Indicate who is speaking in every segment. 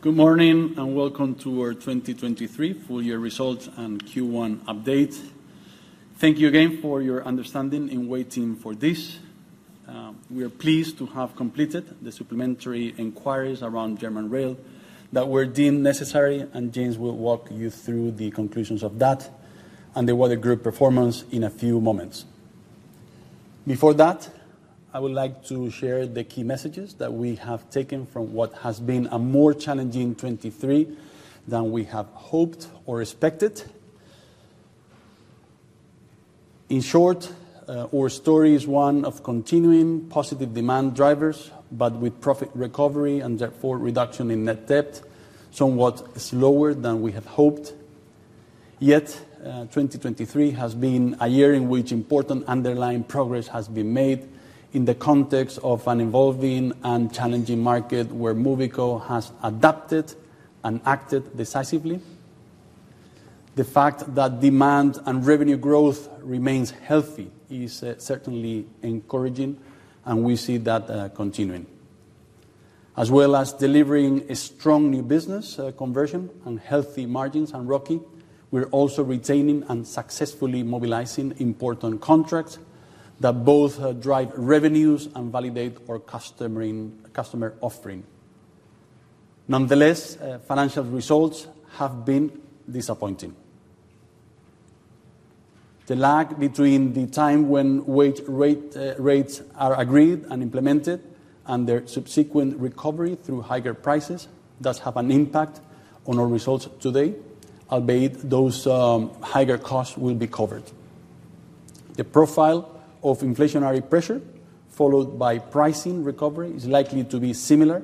Speaker 1: Good morning and welcome to our 2023 full-year results and Q1 update. Thank you again for your understanding in waiting for this. We are pleased to have completed the supplementary inquiries around German Rail that were deemed necessary, and James will walk you through the conclusions of that and the overall group performance in a few moments. Before that, I would like to share the key messages that we have taken from what has been a more challenging 2023 than we have hoped or expected. In short, our story is one of continuing positive demand drivers, but with profit recovery and therefore reduction in net debt somewhat slower than we had hoped. Yet, 2023 has been a year in which important underlying progress has been made in the context of an evolving and challenging market where Mobico has adapted and acted decisively. The fact that demand and revenue growth remains healthy is certainly encouraging, and we see that continuing. As well as delivering a strong new business conversion and healthy margins and robust, we're also retaining and successfully mobilizing important contracts that both drive revenues and validate our customer-centric offering. Nonetheless, financial results have been disappointing. The lag between the time when wage rates are agreed and implemented and their subsequent recovery through higher prices does have an impact on our results today, albeit those higher costs will be covered. The profile of inflationary pressure followed by pricing recovery is likely to be similar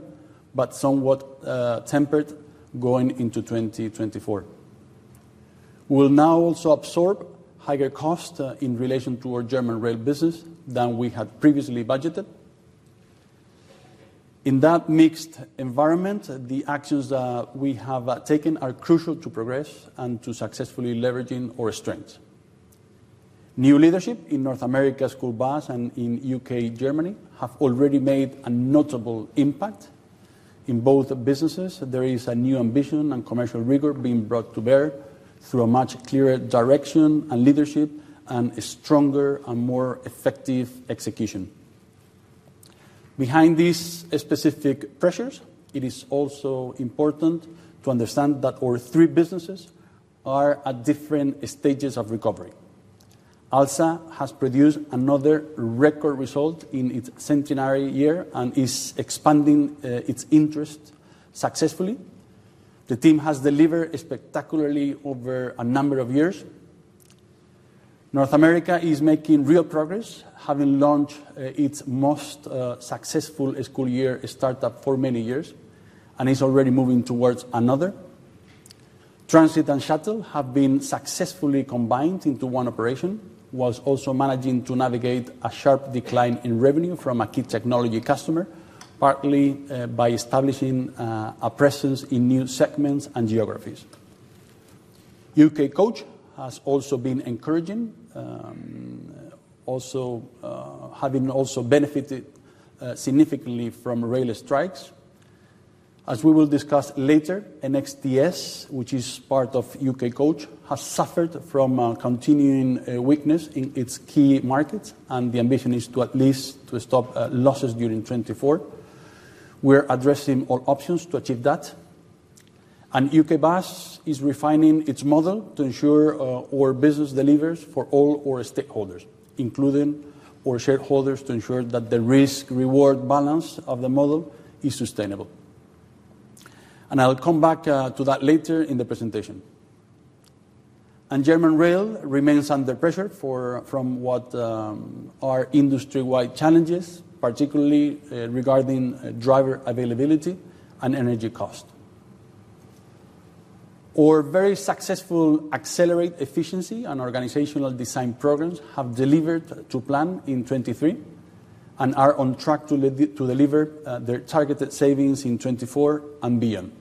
Speaker 1: but somewhat tempered going into 2024. We'll now also absorb higher costs in relation to our German Rail business than we had previously budgeted. In that mixed environment, the actions we have taken are crucial to progress and to successfully leveraging our strengths. New leadership in North America's school bus and in U.K., Germany have already made a notable impact. In both businesses, there is a new ambition and commercial rigor being brought to bear through a much clearer direction and leadership and stronger and more effective execution. Behind these specific pressures, it is also important to understand that our three businesses are at different stages of recovery. ALSA has produced another record result in its centenary year and is expanding its interests successfully. The team has delivered spectacularly over a number of years. North America is making real progress, having launched its most successful school year startup for many years and is already moving towards another. Transit and shuttle have been successfully combined into one operation, while also managing to navigate a sharp decline in revenue from a key technology customer, partly by establishing a presence in new segments and geographies. UK Coach has also been encouraging, having benefited significantly from rail strikes. As we will discuss later, NXTS, which is part of UK Coach, has suffered from continuing weakness in its key markets, and the ambition is at least to stop losses during 2024. We're addressing all options to achieve that. UK Bus is refining its model to ensure our business delivers for all our stakeholders, including our shareholders, to ensure that the risk-reward balance of the model is sustainable. I'll come back to that later in the presentation. German Rail remains under pressure from what are industry-wide challenges, particularly regarding driver availability and energy cost. Our very successful Accelerate Efficiency and organizational design programs have delivered to plan in 2023 and are on track to deliver their targeted savings in 2024 and beyond.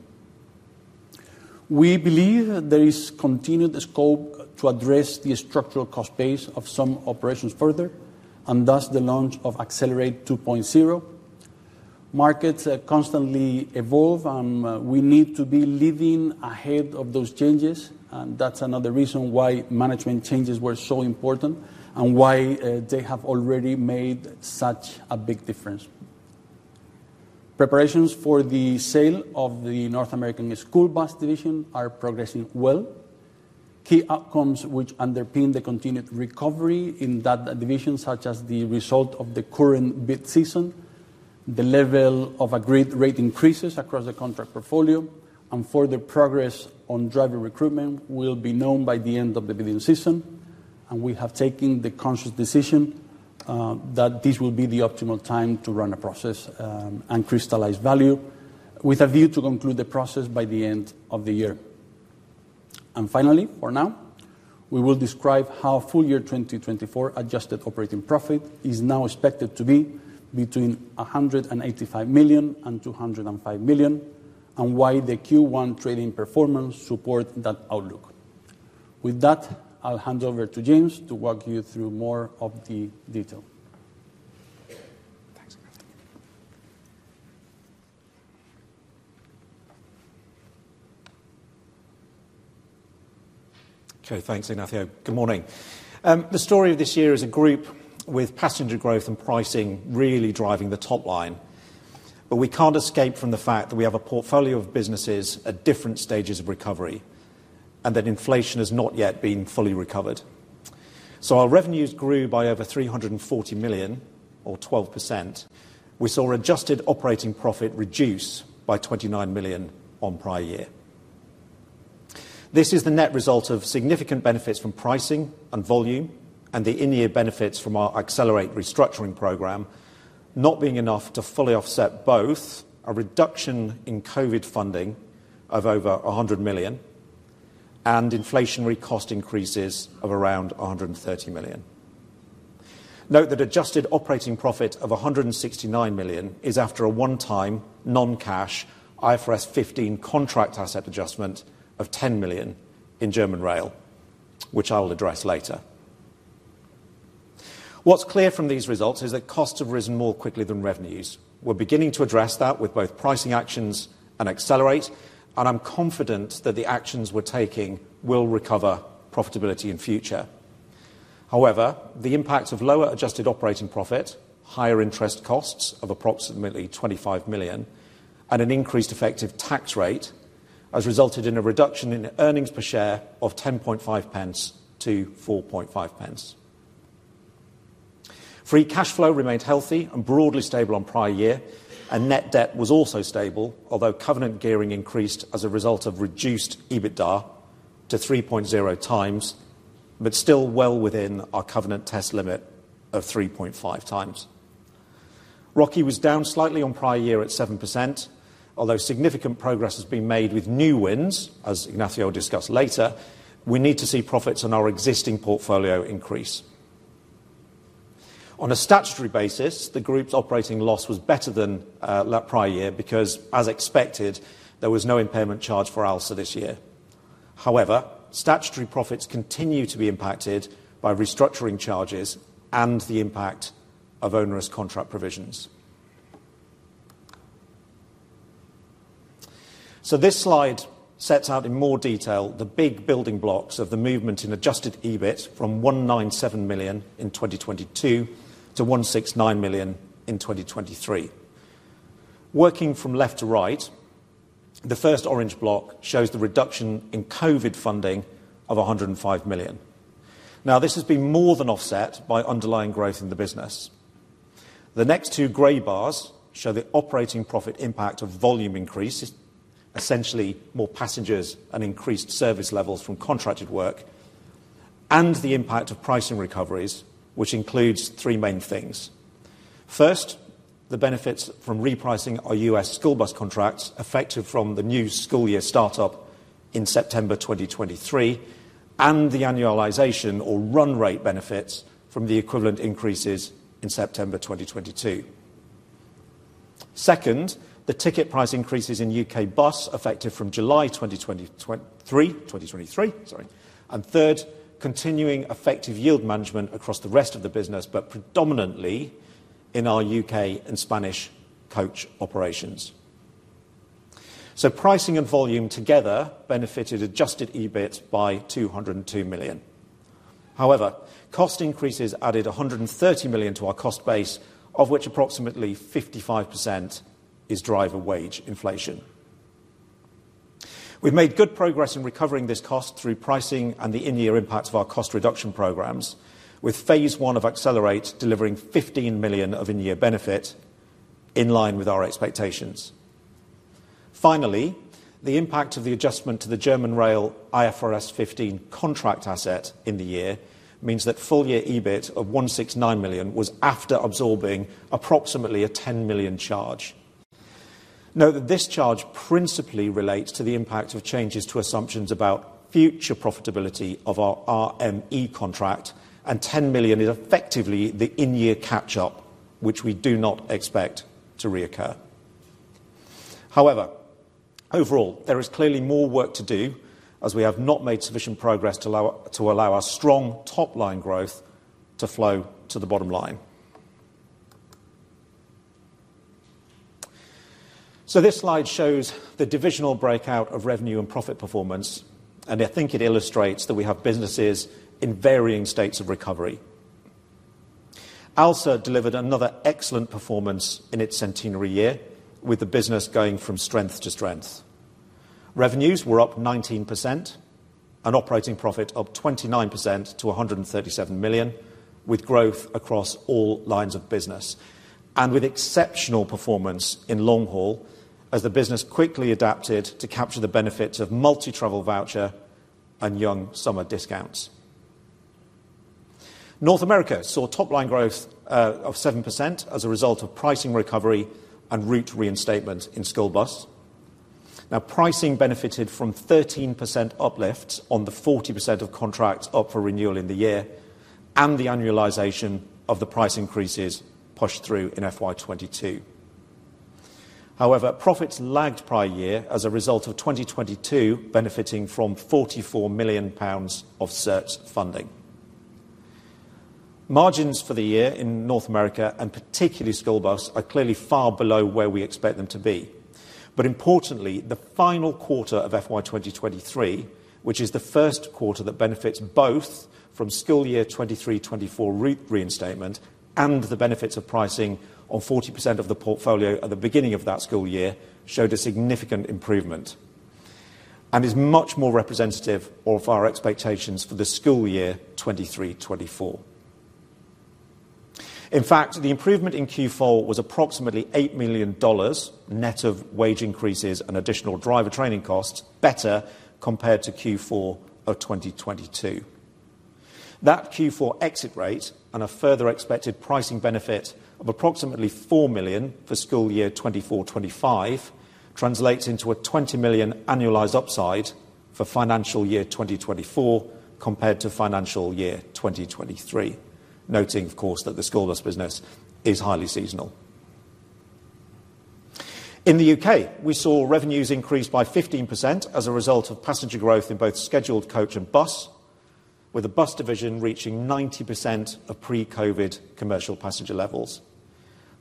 Speaker 1: We believe there is continued scope to address the structural cost base of some operations further and thus the launch of Accelerate 2.0. Markets constantly evolve, and we need to be leading ahead of those changes, and that's another reason why management changes were so important and why they have already made such a big difference. Preparations for the sale of the North American School Bus division are progressing well. Key outcomes which underpin the continued recovery in that division, such as the result of the current bid season, the level of agreed rate increases across the contract portfolio, and further progress on driver recruitment will be known by the end of the bidding season. We have taken the conscious decision that this will be the optimal time to run a process and crystallize value with a view to conclude the process by the end of the year. Finally, for now, we will describe how full-year 2024 Adjusted Operating Profit is now expected to be between 185 million and 205 million, and why the Q1 trading performance supports that outlook. With that, I'll hand over to James to walk you through more of the detail.
Speaker 2: Thanks, Ignacio. Okay. Thanks, Ignacio. Good morning. The story of this year is a group with passenger growth and pricing really driving the top line, but we can't escape from the fact that we have a portfolio of businesses at different stages of recovery and that inflation has not yet been fully recovered. So while revenues grew by over 340 million or 12%, we saw adjusted operating profit reduce by 29 million on prior year. This is the net result of significant benefits from pricing and volume and the in-year benefits from our Accelerate Restructuring program not being enough to fully offset both a reduction in COVID funding of over 100 million and inflationary cost increases of around 130 million. Note that adjusted operating profit of 169 million is after a one-time, non-cash, IFRS 15 contract asset adjustment of 10 million in German Rail, which I will address later. What's clear from these results is that costs have risen more quickly than revenues. We're beginning to address that with both pricing actions and Accelerate, and I'm confident that the actions we're taking will recover profitability in future. However, the impact of lower Adjusted Operating Profit, higher interest costs of approximately 25 million, and an increased effective tax rate has resulted in a reduction in earnings per share of 0.105-0.045. Free Cash Flow remained healthy and broadly stable on prior year, and net debt was also stable, although Covenant Gearing increased as a result of reduced EBITDA to 3.0x but still well within our covenant test limit of 3.5x. ROCI was down slightly on prior year at 7%. Although significant progress has been made with new wins, as Ignacio will discuss later, we need to see profits on our existing portfolio increase. On a statutory basis, the group's operating loss was better than the prior year because, as expected, there was no impairment charge for Alsa this year. However, statutory profits continue to be impacted by restructuring charges and the impact of onerous contract provisions. So this slide sets out in more detail the big building blocks of the movement in adjusted EBIT from 197 million in 2022 to 169 million in 2023. Working from left to right, the first orange block shows the reduction in COVID funding of 105 million. Now, this has been more than offset by underlying growth in the business. The next two grey bars show the operating profit impact of volume increase, essentially more passengers and increased service levels from contracted work, and the impact of pricing recoveries, which includes three main things. First, the benefits from repricing our US school bus contracts effective from the new school year startup in September 2023 and the annualization or run rate benefits from the equivalent increases in September 2022. Second, the ticket price increases in UK bus effective from July 2023, 2023, sorry. And third, continuing effective yield management across the rest of the business but predominantly in our UK and Spanish coach operations. So pricing and volume together benefited adjusted EBIT by 202 million. However, cost increases added 130 million to our cost base, of which approximately 55% is driver wage inflation. We've made good progress in recovering this cost through pricing and the in-year impact of our cost reduction programs, with phase one of Accelerate delivering 15 million of in-year benefit in line with our expectations. Finally, the impact of the adjustment to the German Rail IFRS 15 contract asset in the year means that full-year EBIT of 169 million was after absorbing approximately a 10 million charge. Note that this charge principally relates to the impact of changes to assumptions about future profitability of our RME contract, and 10 million is effectively the in-year catch-up, which we do not expect to reoccur. However, overall, there is clearly more work to do as we have not made sufficient progress to allow our strong top line growth to flow to the bottom line. So this slide shows the divisional breakout of revenue and profit performance, and I think it illustrates that we have businesses in varying states of recovery. Alsa delivered another excellent performance in its centenary year, with the business going from strength to strength. Revenues were up 19%, an operating profit of 29% to 137 million, with growth across all lines of business and with exceptional performance in long haul as the business quickly adapted to capture the benefits of multi-travel voucher and Young Summer discounts. North America saw top line growth of 7% as a result of pricing recovery and route reinstatement in school bus. Now, pricing benefited from 13% uplifts on the 40% of contracts up for renewal in the year and the annualization of the price increases pushed through in FY 2022. However, profits lagged prior year as a result of 2022 benefiting from 44 million pounds of CERTS funding. Margins for the year in North America and particularly school bus are clearly far below where we expect them to be. But importantly, the final quarter of FY2023, which is the first quarter that benefits both from school year 2023/2024 route reinstatement and the benefits of pricing on 40% of the portfolio at the beginning of that school year, showed a significant improvement and is much more representative of our expectations for the school year 2023/2024. In fact, the improvement in Q4 was approximately $8 million net of wage increases and additional driver training costs, better compared to Q4 of 2022. That Q4 exit rate and a further expected pricing benefit of approximately $4 million for school year 2024/2025 translates into a $20 million annualized upside for financial year 2024 compared to financial year 2023, noting, of course, that the school bus business is highly seasonal. In the U.K., we saw revenues increase by 15% as a result of passenger growth in both scheduled coach and bus, with the bus division reaching 90% of pre-COVID commercial passenger levels.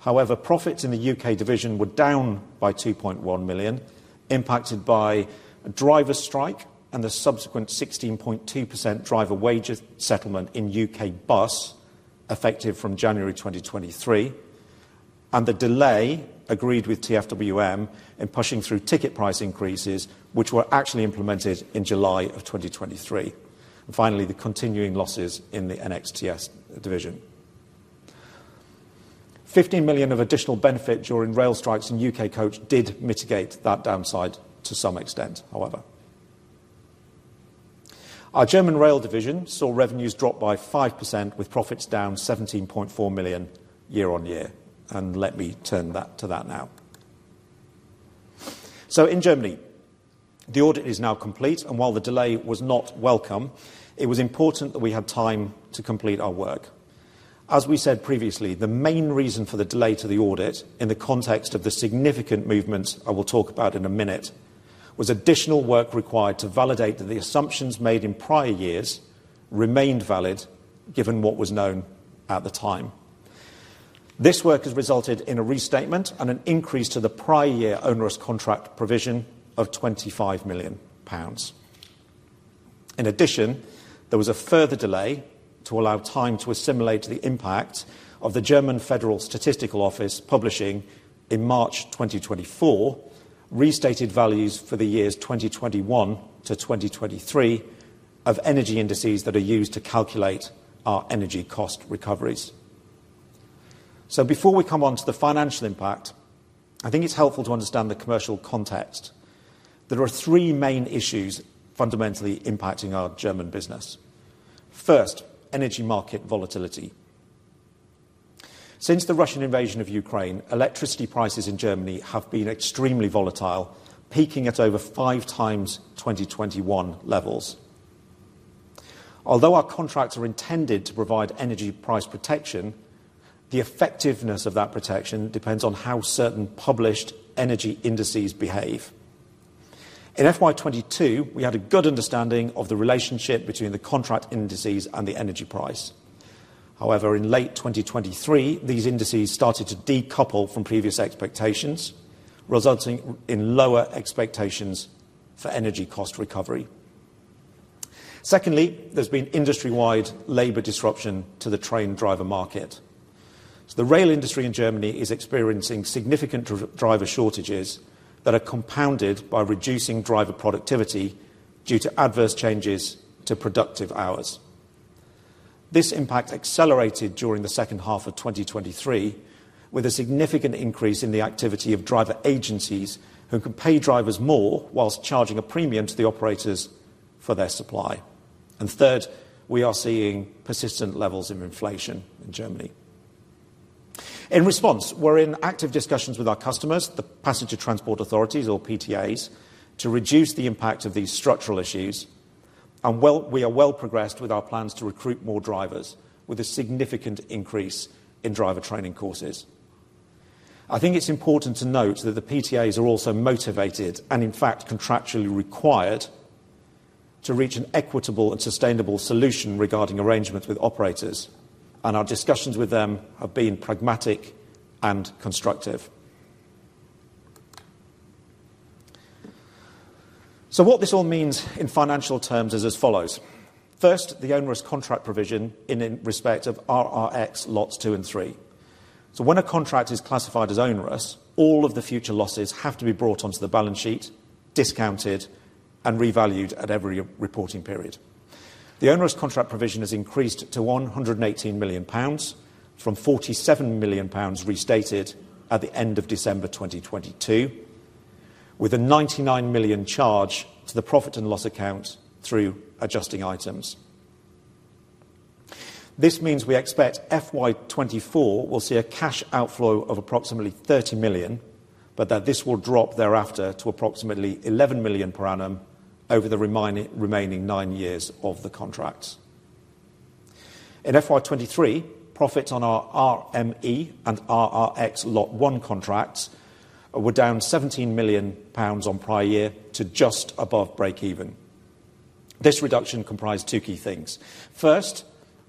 Speaker 2: However, profits in the U.K. division were down by 2.1 million, impacted by a driver strike and the subsequent 16.2% driver wage settlement in UK Bus effective from January 2023 and the delay agreed with TfWM in pushing through ticket price increases, which were actually implemented in July of 2023. And finally, the continuing losses in the NXTS division. 15 million of additional benefit during rail strikes in U.K. coach did mitigate that downside to some extent, however. Our German Rail division saw revenues drop by 5%, with profits down 17.4 million year-on-year. And let me turn that to that now. In Germany, the audit is now complete, and while the delay was not welcome, it was important that we had time to complete our work. As we said previously, the main reason for the delay to the audit in the context of the significant movements I will talk about in a minute was additional work required to validate that the assumptions made in prior years remained valid given what was known at the time. This work has resulted in a restatement and an increase to the prior year onerous contract provision of 25 million pounds. In addition, there was a further delay to allow time to assimilate to the impact of the German Federal Statistical Office publishing in March 2024 restated values for the years 2021 to 2023 of energy indices that are used to calculate our energy cost recoveries. Before we come onto the financial impact, I think it's helpful to understand the commercial context. There are three main issues fundamentally impacting our German business. First, energy market volatility. Since the Russian invasion of Ukraine, electricity prices in Germany have been extremely volatile, peaking at over five times 2021 levels. Although our contracts are intended to provide energy price protection, the effectiveness of that protection depends on how certain published energy indices behave. In FY22, we had a good understanding of the relationship between the contract indices and the energy price. However, in late 2023, these indices started to decouple from previous expectations, resulting in lower expectations for energy cost recovery. Secondly, there's been industry-wide labor disruption to the train driver market. The rail industry in Germany is experiencing significant driver shortages that are compounded by reducing driver productivity due to adverse changes to productive hours. This impact accelerated during the second half of 2023 with a significant increase in the activity of driver agencies who can pay drivers more while charging a premium to the operators for their supply. And third, we are seeing persistent levels of inflation in Germany. In response, we're in active discussions with our customers, the Passenger Transport Authorities or PTAs, to reduce the impact of these structural issues. And we are well progressed with our plans to recruit more drivers with a significant increase in driver training courses. I think it's important to note that the PTAs are also motivated and, in fact, contractually required to reach an equitable and sustainable solution regarding arrangements with operators. And our discussions with them have been pragmatic and constructive. So what this all means in financial terms is as follows. First, the Onerous Contract Provision in respect of RRX Lots 2 and 3. When a contract is classified as onerous, all of the future losses have to be brought onto the balance sheet, discounted, and revalued at every reporting period. The onerous contract provision has increased to 118 million pounds from 47 million pounds restated at the end of December 2022, with a 99 million charge to the profit and loss account through adjusting items. This means we expect FY24 will see a cash outflow of approximately 30 million, but that this will drop thereafter to approximately 11 million per annum over the remaining nine years of the contracts. In FY23, profits on our RME and RRX lot one contracts were down 17 million pounds on prior year to just above break-even. This reduction comprised two key things. First,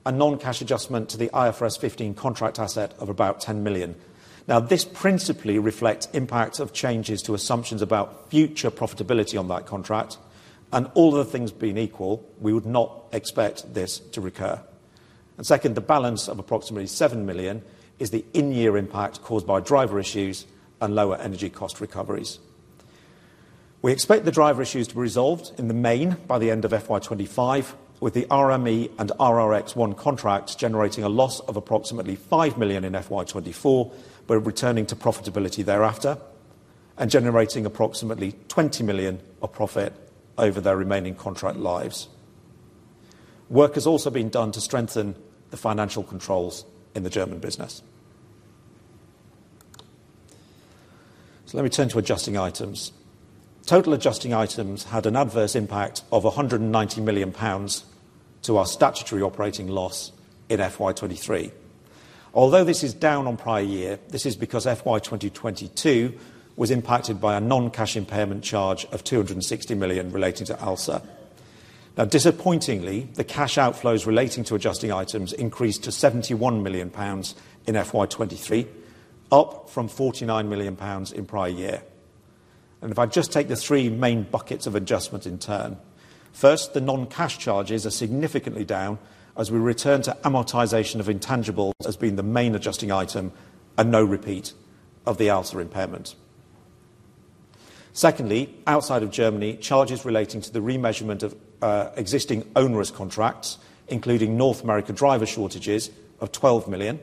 Speaker 2: a non-cash adjustment to the IFRS 15 contract asset of about 10 million. Now, this principally reflects impact of changes to assumptions about future profitability on that contract. And all other things being equal, we would not expect this to recur. And second, the balance of approximately 7 million is the in-year impact caused by driver issues and lower energy cost recoveries. We expect the driver issues to be resolved in the main by the end of FY25, with the RME and RRX Lot 1 contracts generating a loss of approximately 5 million in FY24 but returning to profitability thereafter and generating approximately 20 million of profit over their remaining contract lives. Work has also been done to strengthen the financial controls in the German business. So let me turn to adjusting items. Total adjusting items had an adverse impact of 190 million pounds to our statutory operating loss in FY23. Although this is down on prior year, this is because FY2022 was impacted by a non-cash impairment charge of 260 million relating to ALSA. Now, disappointingly, the cash outflows relating to adjusting items increased to 71 million pounds in FY2023, up from 49 million pounds in prior year. If I just take the three main buckets of adjustment in turn. First, the non-cash charges are significantly down as we return to amortization of intangibles as being the main adjusting item and no repeat of the ALSA impairment. Secondly, outside of Germany, charges relating to the remeasurement of existing onerous contracts, including North America driver shortages of 12 million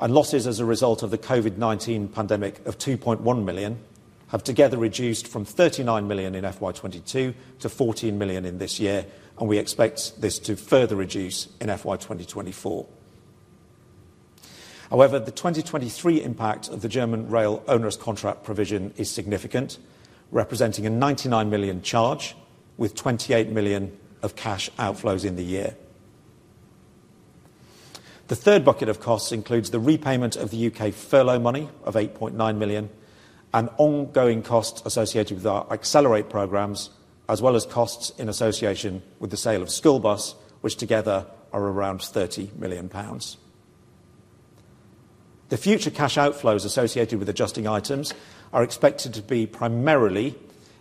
Speaker 2: and losses as a result of the COVID-19 pandemic of 2.1 million, have together reduced from 39 million in FY2022 to 14 million in this year. We expect this to further reduce in FY2024. However, the 2023 impact of the German rail onerous contract provision is significant, representing a 99 million charge with 28 million of cash outflows in the year. The third bucket of costs includes the repayment of the UK furlough money of 8.9 million and ongoing costs associated with our Accelerate programmes, as well as costs in association with the sale of school bus, which together are around 30 million pounds. The future cash outflows associated with adjusting items are expected to be primarily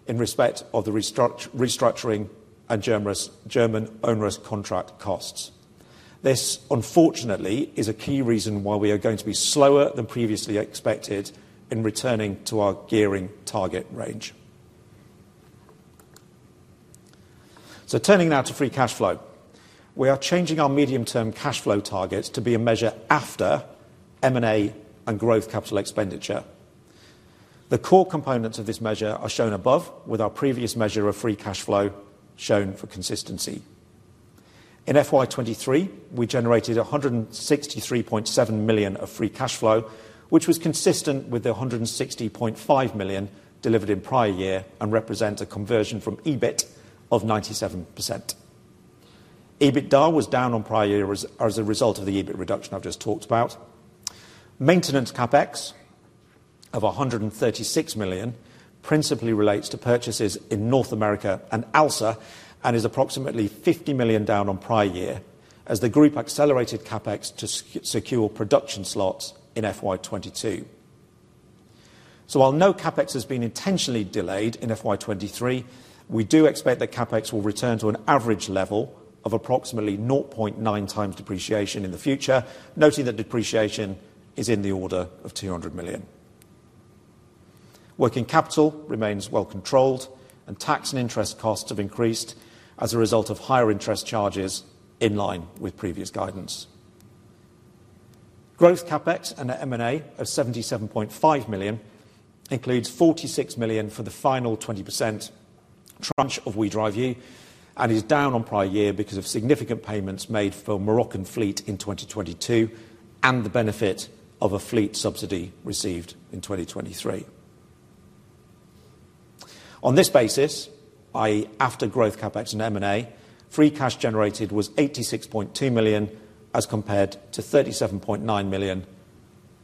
Speaker 2: in respect of the restructuring and German onerous contract costs. This, unfortunately, is a key reason why we are going to be slower than previously expected in returning to our gearing target range. So turning now to Free Cash Flow. We are changing our medium-term cash flow targets to be a measure after M&A and growth capital expenditure. The core components of this measure are shown above, with our previous measure of free cash flow shown for consistency. In FY23, we generated 163.7 million of free cash flow, which was consistent with the 160.5 million delivered in prior year and represents a conversion from EBIT of 97%. EBITDA was down on prior year as a result of the EBIT reduction I've just talked about. Maintenance CapEx of 136 million principally relates to purchases in North America and ALSA and is approximately 50 million down on prior year as the group accelerated CapEx to secure production slots in FY22. So while no CapEx has been intentionally delayed in FY23, we do expect that CapEx will return to an average level of approximately 0.9x depreciation in the future, noting that depreciation is in the order of 200 million. Working capital remains well controlled, and tax and interest costs have increased as a result of higher interest charges in line with previous guidance. Growth CapEx and M&A of 77.5 million includes 46 million for the final 20% tranche of WeDriveU and is down on prior year because of significant payments made for Moroccan fleet in 2022 and the benefit of a fleet subsidy received in 2023. On this basis, i.e., after growth CapEx and M&A, free cash generated was 86.2 million as compared to 37.9 million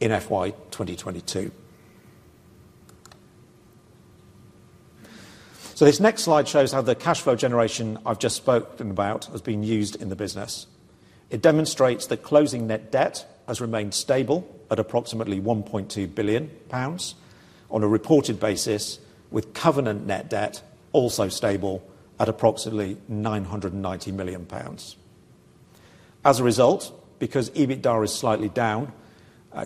Speaker 2: in FY2022. This next slide shows how the cash flow generation I've just spoken about has been used in the business. It demonstrates that closing net debt has remained stable at approximately 1.2 billion pounds on a reported basis, with covenant net debt also stable at approximately 990 million pounds. As a result, because EBITDA is slightly down,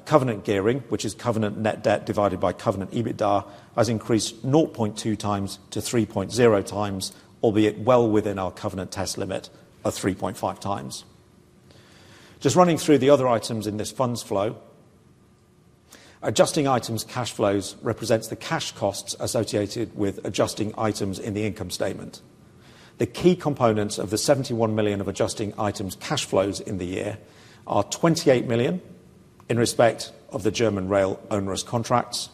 Speaker 2: covenant gearing, which is covenant net debt divided by covenant EBITDA, has increased 0.2 times to 3.0 times, albeit well within our covenant test limit of 3.5 times. Just running through the other items in this funds flow. Adjusting items cash flows represents the cash costs associated with adjusting items in the income statement. The key components of the 71 million of adjusting items cash flows in the year are 28 million in respect of the German Rail onerous contracts,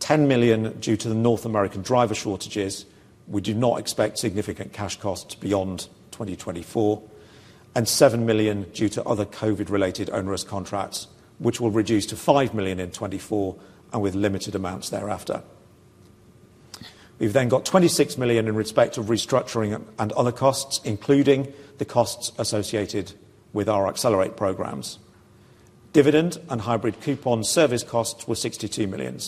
Speaker 2: 10 million due to the North America driver shortages - we do not expect significant cash costs beyond 2024 - and 7 million due to other COVID-related onerous contracts, which will reduce to 5 million in 2024 and with limited amounts thereafter. We've then got 26 million in respect of restructuring and other costs, including the costs associated with our Accelerate programs. Dividend and hybrid coupon service costs were 62 million.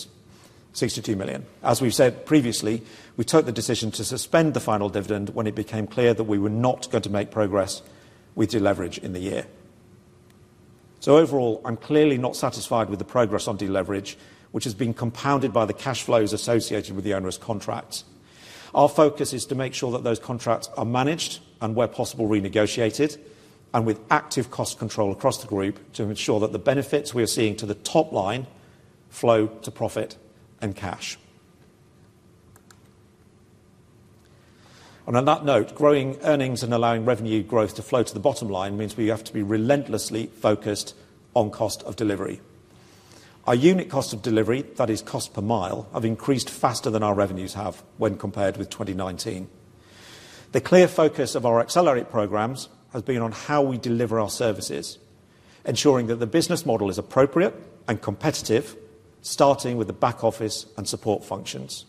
Speaker 2: As we've said previously, we took the decision to suspend the final dividend when it became clear that we were not going to make progress with de-leverage in the year. So overall, I'm clearly not satisfied with the progress on de-leverage, which has been compounded by the cash flows associated with the onerous contracts. Our focus is to make sure that those contracts are managed and, where possible, renegotiated and with active cost control across the group to ensure that the benefits we are seeing to the top line flow to profit and cash. And on that note, growing earnings and allowing revenue growth to flow to the bottom line means we have to be relentlessly focused on cost of delivery. Our unit cost of delivery, that is cost per mile, have increased faster than our revenues have when compared with 2019. The clear focus of our Accelerate programs has been on how we deliver our services, ensuring that the business model is appropriate and competitive, starting with the back office and support functions.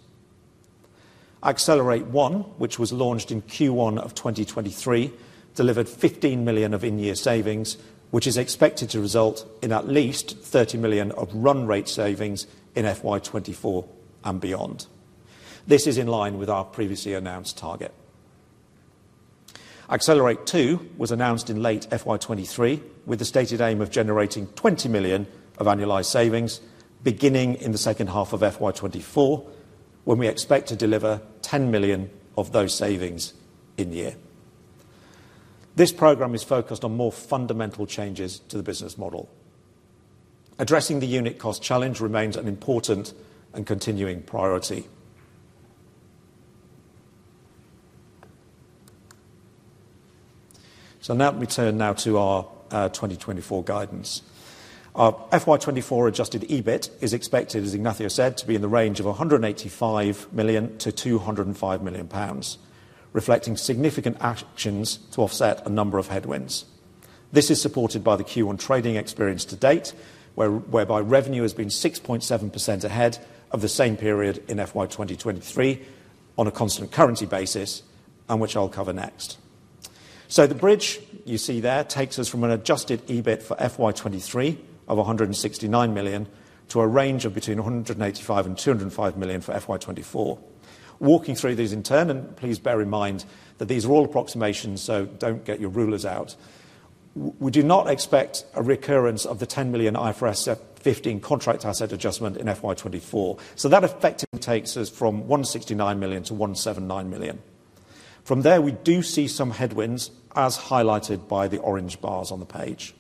Speaker 2: Accelerate One, which was launched in Q1 of 2023, delivered 15 million of in-year savings, which is expected to result in at least 30 million of run rate savings in FY24 and beyond. This is in line with our previously announced target. Accelerate Two was announced in late FY23 with the stated aim of generating 20 million of annualized savings, beginning in the second half of FY24, when we expect to deliver 10 million of those savings in the year. This program is focused on more fundamental changes to the business model. Addressing the unit cost challenge remains an important and continuing priority. So now let me turn now to our 2024 guidance. Our FY24 adjusted EBIT is expected, as Ignacio said, to be in the range of 185 million-205 million pounds, reflecting significant actions to offset a number of headwinds. This is supported by the Q1 trading experience to date, whereby revenue has been 6.7% ahead of the same period in FY2023 on a constant currency basis, and which I'll cover next. So the bridge you see there takes us from an adjusted EBIT for FY23 of 169 million to a range of between 185 million and 205 million for FY24. Walking through these in turn - and please bear in mind that these are all approximations, so don't get your rulers out - we do not expect a recurrence of the 10 million IFRS 15 contract asset adjustment in FY24. So that effectively takes us from 169 million to 179 million. From there, we do see some headwinds, as highlighted by the orange bars on the page.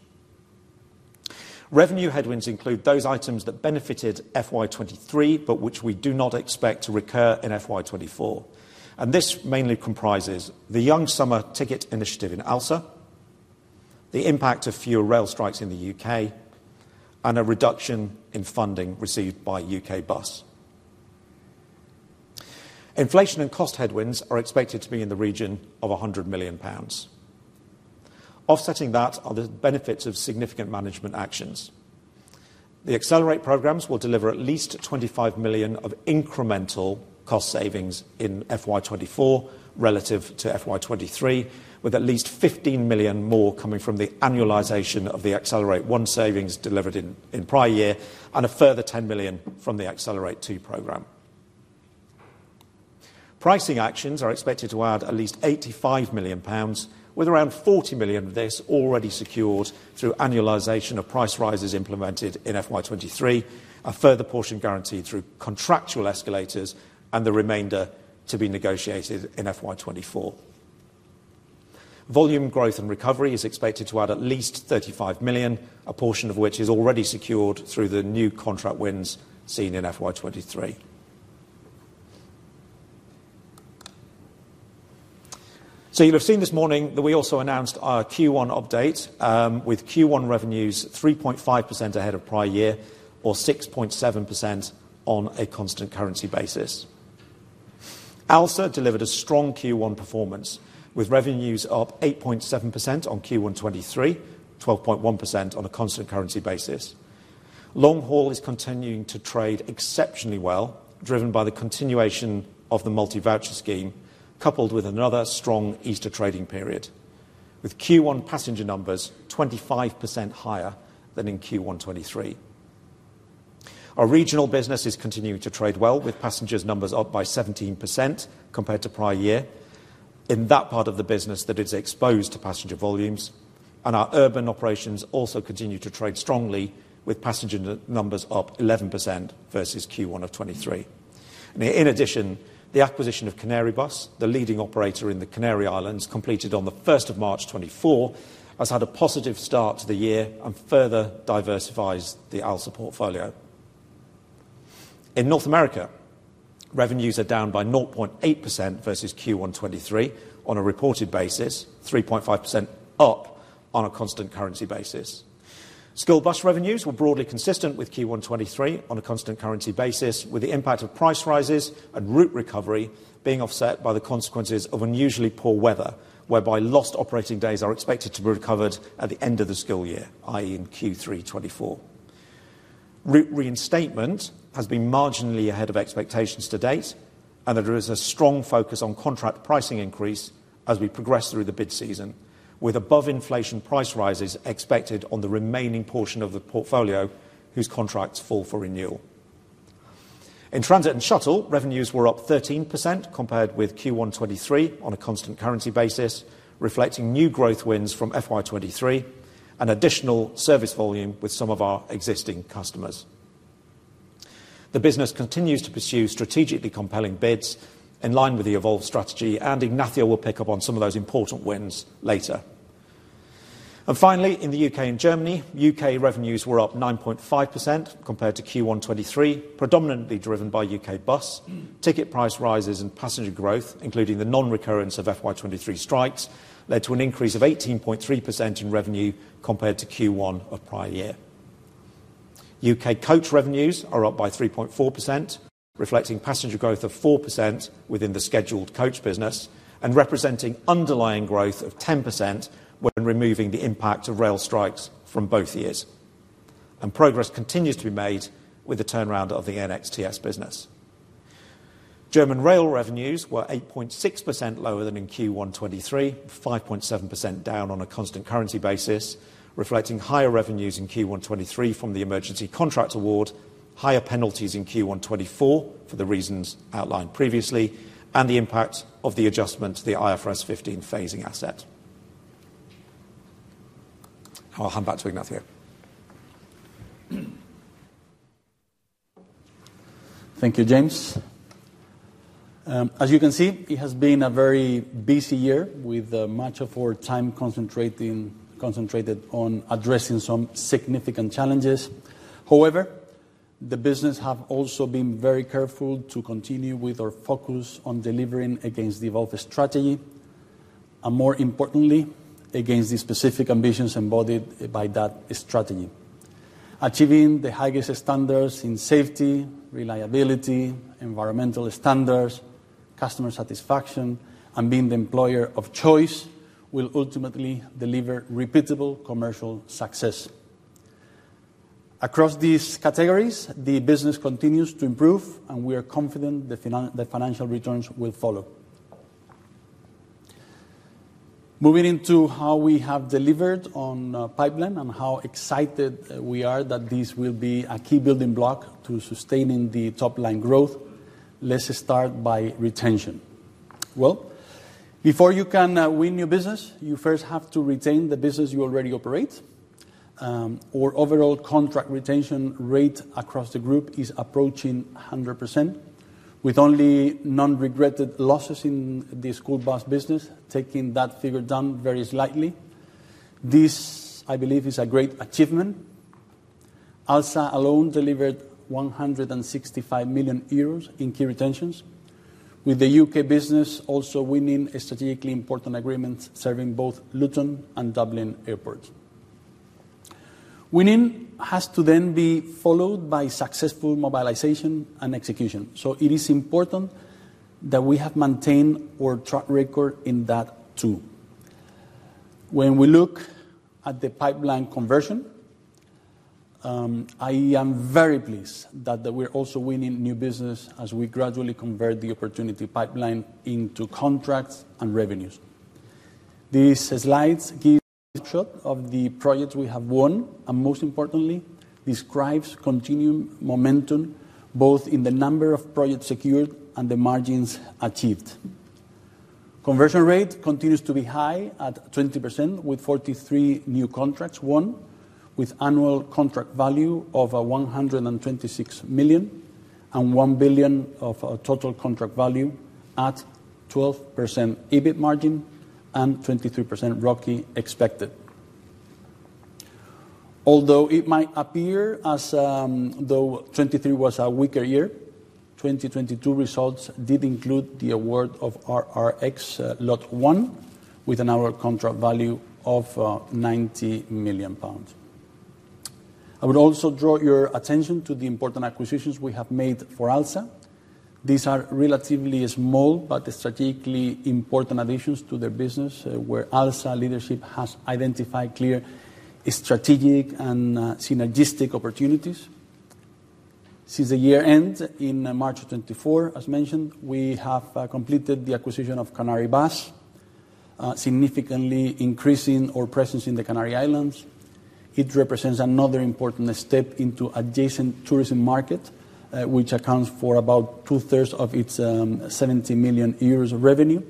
Speaker 2: Revenue headwinds include those items that benefited FY23 but which we do not expect to recur in FY24. This mainly comprises the Young Summer Ticket Initiative in ALSA, the impact of fewer rail strikes in the UK, and a reduction in funding received by UK Bus. Inflation and cost headwinds are expected to be in the region of 100 million pounds. Offsetting that are the benefits of significant management actions. The Accelerate programs will deliver at least 25 million of incremental cost savings in FY24 relative to FY23, with at least 15 million more coming from the annualization of the Accelerate One savings delivered in prior year and a further 10 million from the Accelerate Two program. Pricing actions are expected to add at least 85 million pounds, with around 40 million of this already secured through annualisation of price rises implemented in FY 2023, a further portion guaranteed through contractual escalators, and the remainder to be negotiated in FY 2024. Volume growth and recovery is expected to add at least 35 million, a portion of which is already secured through the new contract wins seen in FY 2023. So you'll have seen this morning that we also announced our Q1 update, with Q1 revenues 3.5% ahead of prior year, or 6.7% on a constant currency basis. ALSA delivered a strong Q1 performance, with revenues up 8.7% on Q1 2023, 12.1% on a constant currency basis. Long haul is continuing to trade exceptionally well, driven by the continuation of the multi-voucher scheme coupled with another strong Easter trading period, with Q1 passenger numbers 25% higher than in Q1 2023. Our regional business is continuing to trade well, with passenger numbers up by 17% compared to prior year in that part of the business that is exposed to passenger volumes. Our urban operations also continue to trade strongly, with passenger numbers up 11% versus Q1 of 2023. In addition, the acquisition of Canarybus, the leading operator in the Canary Islands, completed on the 1st of March 2024, has had a positive start to the year and further diversifies the ALSA portfolio. In North America, revenues are down by 0.8% versus Q1 2023 on a reported basis, 3.5% up on a constant currency basis. School bus revenues were broadly consistent with Q1 2023 on a constant currency basis, with the impact of price rises and route recovery being offset by the consequences of unusually poor weather, whereby lost operating days are expected to be recovered at the end of the school year, i.e., in Q3 2024. Route reinstatement has been marginally ahead of expectations to date, and there is a strong focus on contract pricing increase as we progress through the bid season, with above-inflation price rises expected on the remaining portion of the portfolio whose contracts fall for renewal. In transit and shuttle, revenues were up 13% compared with Q1 2023 on a constant currency basis, reflecting new growth wins from FY2023 and additional service volume with some of our existing customers. The business continues to pursue strategically compelling bids in line with the evolved strategy, and Ignacio will pick up on some of those important wins later. Finally, in the U.K. and Germany, U.K. revenues were up 9.5% compared to Q1 2023, predominantly driven by U.K. Bus. Ticket price rises and passenger growth, including the non-recurrence of FY 2023 strikes, led to an increase of 18.3% in revenue compared to Q1 of prior year. U.K. Coach revenues are up by 3.4%, reflecting passenger growth of 4% within the scheduled coach business and representing underlying growth of 10% when removing the impact of rail strikes from both years. Progress continues to be made with the turnaround of the NXTS business. German rail revenues were 8.6% lower than in Q1 2023, 5.7% down on a constant currency basis, reflecting higher revenues in Q1 2023 from the emergency contract award, higher penalties in Q1 2024 for the reasons outlined previously, and the impact of the adjustment to the IFRS 15 phasing asset. I'll hand back to Ignacio.
Speaker 1: Thank you, James. As you can see, it has been a very busy year with much of our time concentrated on addressing some significant challenges. However, the business has also been very careful to continue with our focus on delivering against the evolved strategy and, more importantly, against the specific ambitions embodied by that strategy. Achieving the highest standards in safety, reliability, environmental standards, customer satisfaction, and being the employer of choice will ultimately deliver repeatable commercial success. Across these categories, the business continues to improve, and we are confident the financial returns will follow. Moving into how we have delivered on pipeline and how excited we are that this will be a key building block to sustaining the top line growth, let's start by retention. Well, before you can win new business, you first have to retain the business you already operate. Our overall contract retention rate across the group is approaching 100%, with only non-regretted losses in the school bus business taking that figure down very slightly. This, I believe, is a great achievement. ALSA alone delivered 165 million euros in key retentions, with the U.K. business also winning strategically important agreements serving both Luton and Dublin airports. Winning has to then be followed by successful mobilization and execution. So it is important that we have maintained our track record in that too. When we look at the pipeline conversion, I am very pleased that we're also winning new business as we gradually convert the opportunity pipeline into contracts and revenues. These slides give a snapshot of the projects we have won and, most importantly, describe continuing momentum both in the number of projects secured and the margins achieved. Conversion rate continues to be high at 20% with 43 new contracts won, with annual contract value of 126 million and 1 billion of total contract value at 12% EBIT margin and 23% ROCI expected. Although it might appear as though 2023 was a weaker year, 2022 results did include the award of RRX Lot 1 with an annual contract value of 90 million pounds. I would also draw your attention to the important acquisitions we have made for ALSA. These are relatively small but strategically important additions to their business, where ALSA leadership has identified clear strategic and synergistic opportunities. Since the year end, in March of 2024, as mentioned, we have completed the acquisition of Canary Bus, significantly increasing our presence in the Canary Islands. It represents another important step into the adjacent tourism market, which accounts for about two-thirds of its 70 million euros revenue.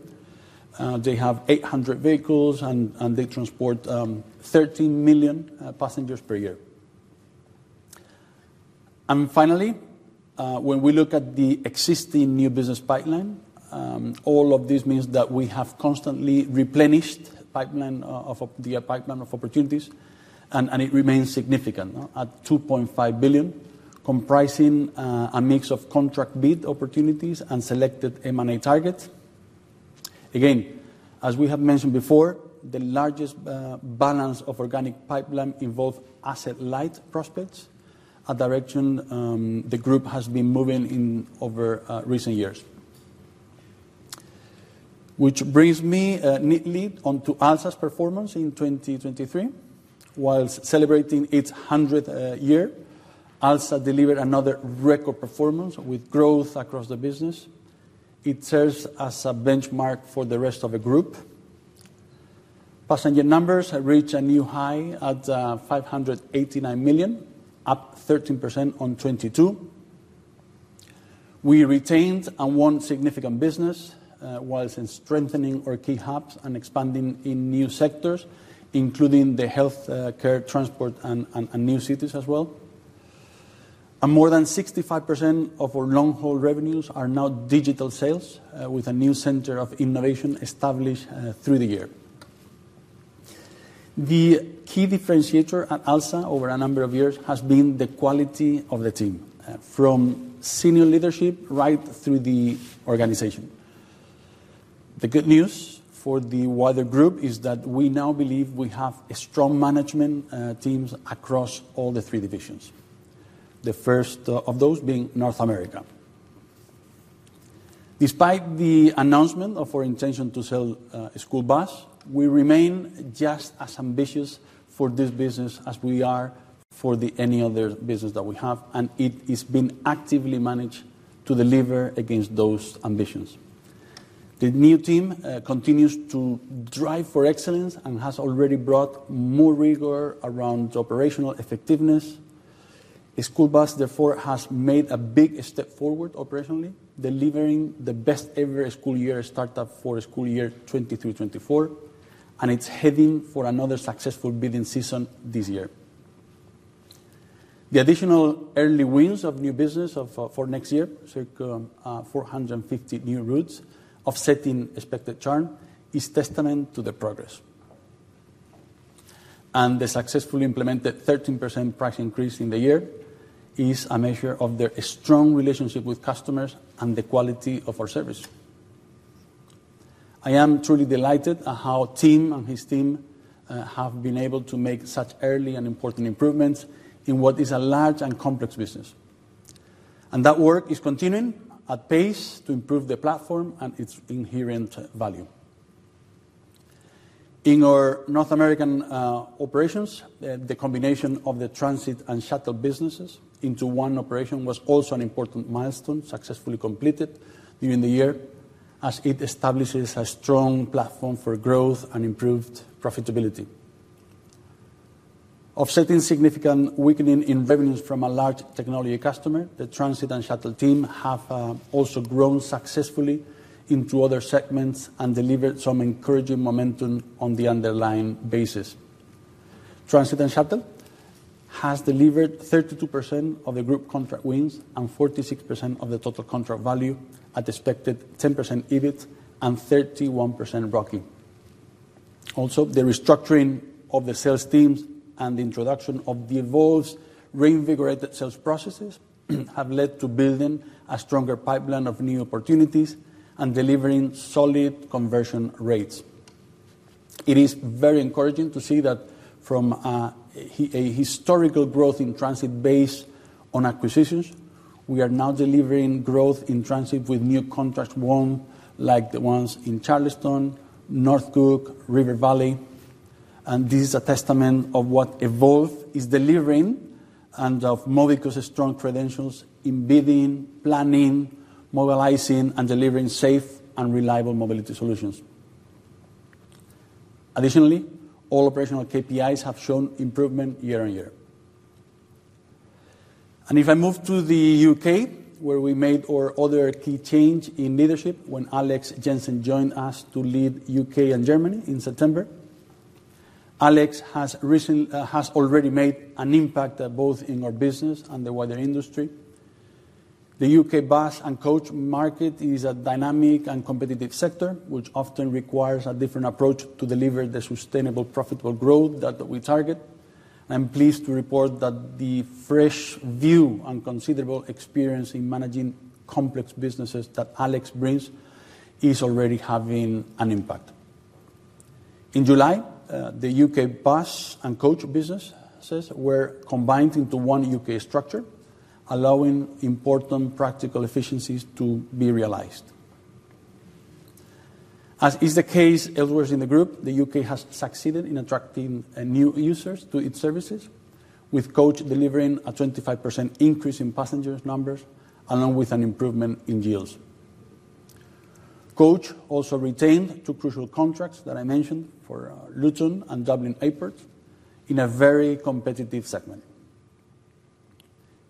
Speaker 1: They have 800 vehicles, and they transport 13 million passengers per year. Finally, when we look at the existing new business pipeline, all of this means that we have constantly replenished the pipeline of opportunities, and it remains significant, at 2.5 billion, comprising a mix of contract bid opportunities and selected M&A targets. Again, as we have mentioned before, the largest balance of organic pipeline involves asset light prospects, a direction the group has been moving in over recent years. Which brings me neatly onto ALSA's performance in 2023. While celebrating its 100th year, ALSA delivered another record performance with growth across the business. It serves as a benchmark for the rest of the group. Passenger numbers reached a new high at 589 million, up 13% on 2022. We retained and won significant business while strengthening our key hubs and expanding in new sectors, including the healthcare, transport, and new cities as well. More than 65% of our long-haul revenues are now digital sales, with a new center of innovation established through the year. The key differentiator at ALSA over a number of years has been the quality of the team, from senior leadership right through the organization. The good news for the wider group is that we now believe we have strong management teams across all the three divisions, the first of those being North America. Despite the announcement of our intention to sell school bus, we remain just as ambitious for this business as we are for any other business that we have, and it has been actively managed to deliver against those ambitions. The new team continues to drive for excellence and has already brought more rigor around operational effectiveness. School bus, therefore, has made a big step forward operationally, delivering the best-ever school year startup for school year 2023-2024, and it's heading for another successful bidding season this year. The additional early wins of new business for next year, circa 450 new routes, offsetting expected churn, is testament to the progress. The successfully implemented 13% price increase in the year is a measure of their strong relationship with customers and the quality of our service. I am truly delighted at how Tim and his team have been able to make such early and important improvements in what is a large and complex business. That work is continuing at pace to improve the platform and its inherent value. In our North American operations, the combination of the transit and shuttle businesses into one operation was also an important milestone successfully completed during the year, as it establishes a strong platform for growth and improved profitability. Offsetting significant weakening in revenues from a large technology customer, the transit and shuttle team have also grown successfully into other segments and delivered some encouraging momentum on the underlying basis. Transit and shuttle has delivered 32% of the group contract wins and 46% of the total contract value at expected 10% EBIT and 31% ROCI. Also, the restructuring of the sales teams and the introduction of the evolved, reinvigorated sales processes have led to building a stronger pipeline of new opportunities and delivering solid conversion rates. It is very encouraging to see that from a historical growth in transit based on acquisitions, we are now delivering growth in transit with new contracts won like the ones in Charleston, North Cook, River Valley. This is a testament of what Evolve is delivering and of Mobico's strong credentials in bidding, planning, mobilizing, and delivering safe and reliable mobility solutions. Additionally, all operational KPIs have shown improvement year-on-year. If I move to the U.K., where we made our other key change in leadership when Alex Jensen joined us to lead U.K. and Germany in September, Alex has already made an impact both in our business and the wider industry. The U.K. bus and coach market is a dynamic and competitive sector, which often requires a different approach to deliver the sustainable, profitable growth that we target. I'm pleased to report that the fresh view and considerable experience in managing complex businesses that Alex brings is already having an impact. In July, the U.K. bus and coach businesses were combined into one U.K. structure, allowing important practical efficiencies to be realized. As is the case elsewhere in the group, the U.K. has succeeded in attracting new users to its services, with coach delivering a 25% increase in passenger numbers along with an improvement in yields. Coach also retained two crucial contracts that I mentioned for Luton and Dublin airports in a very competitive segment.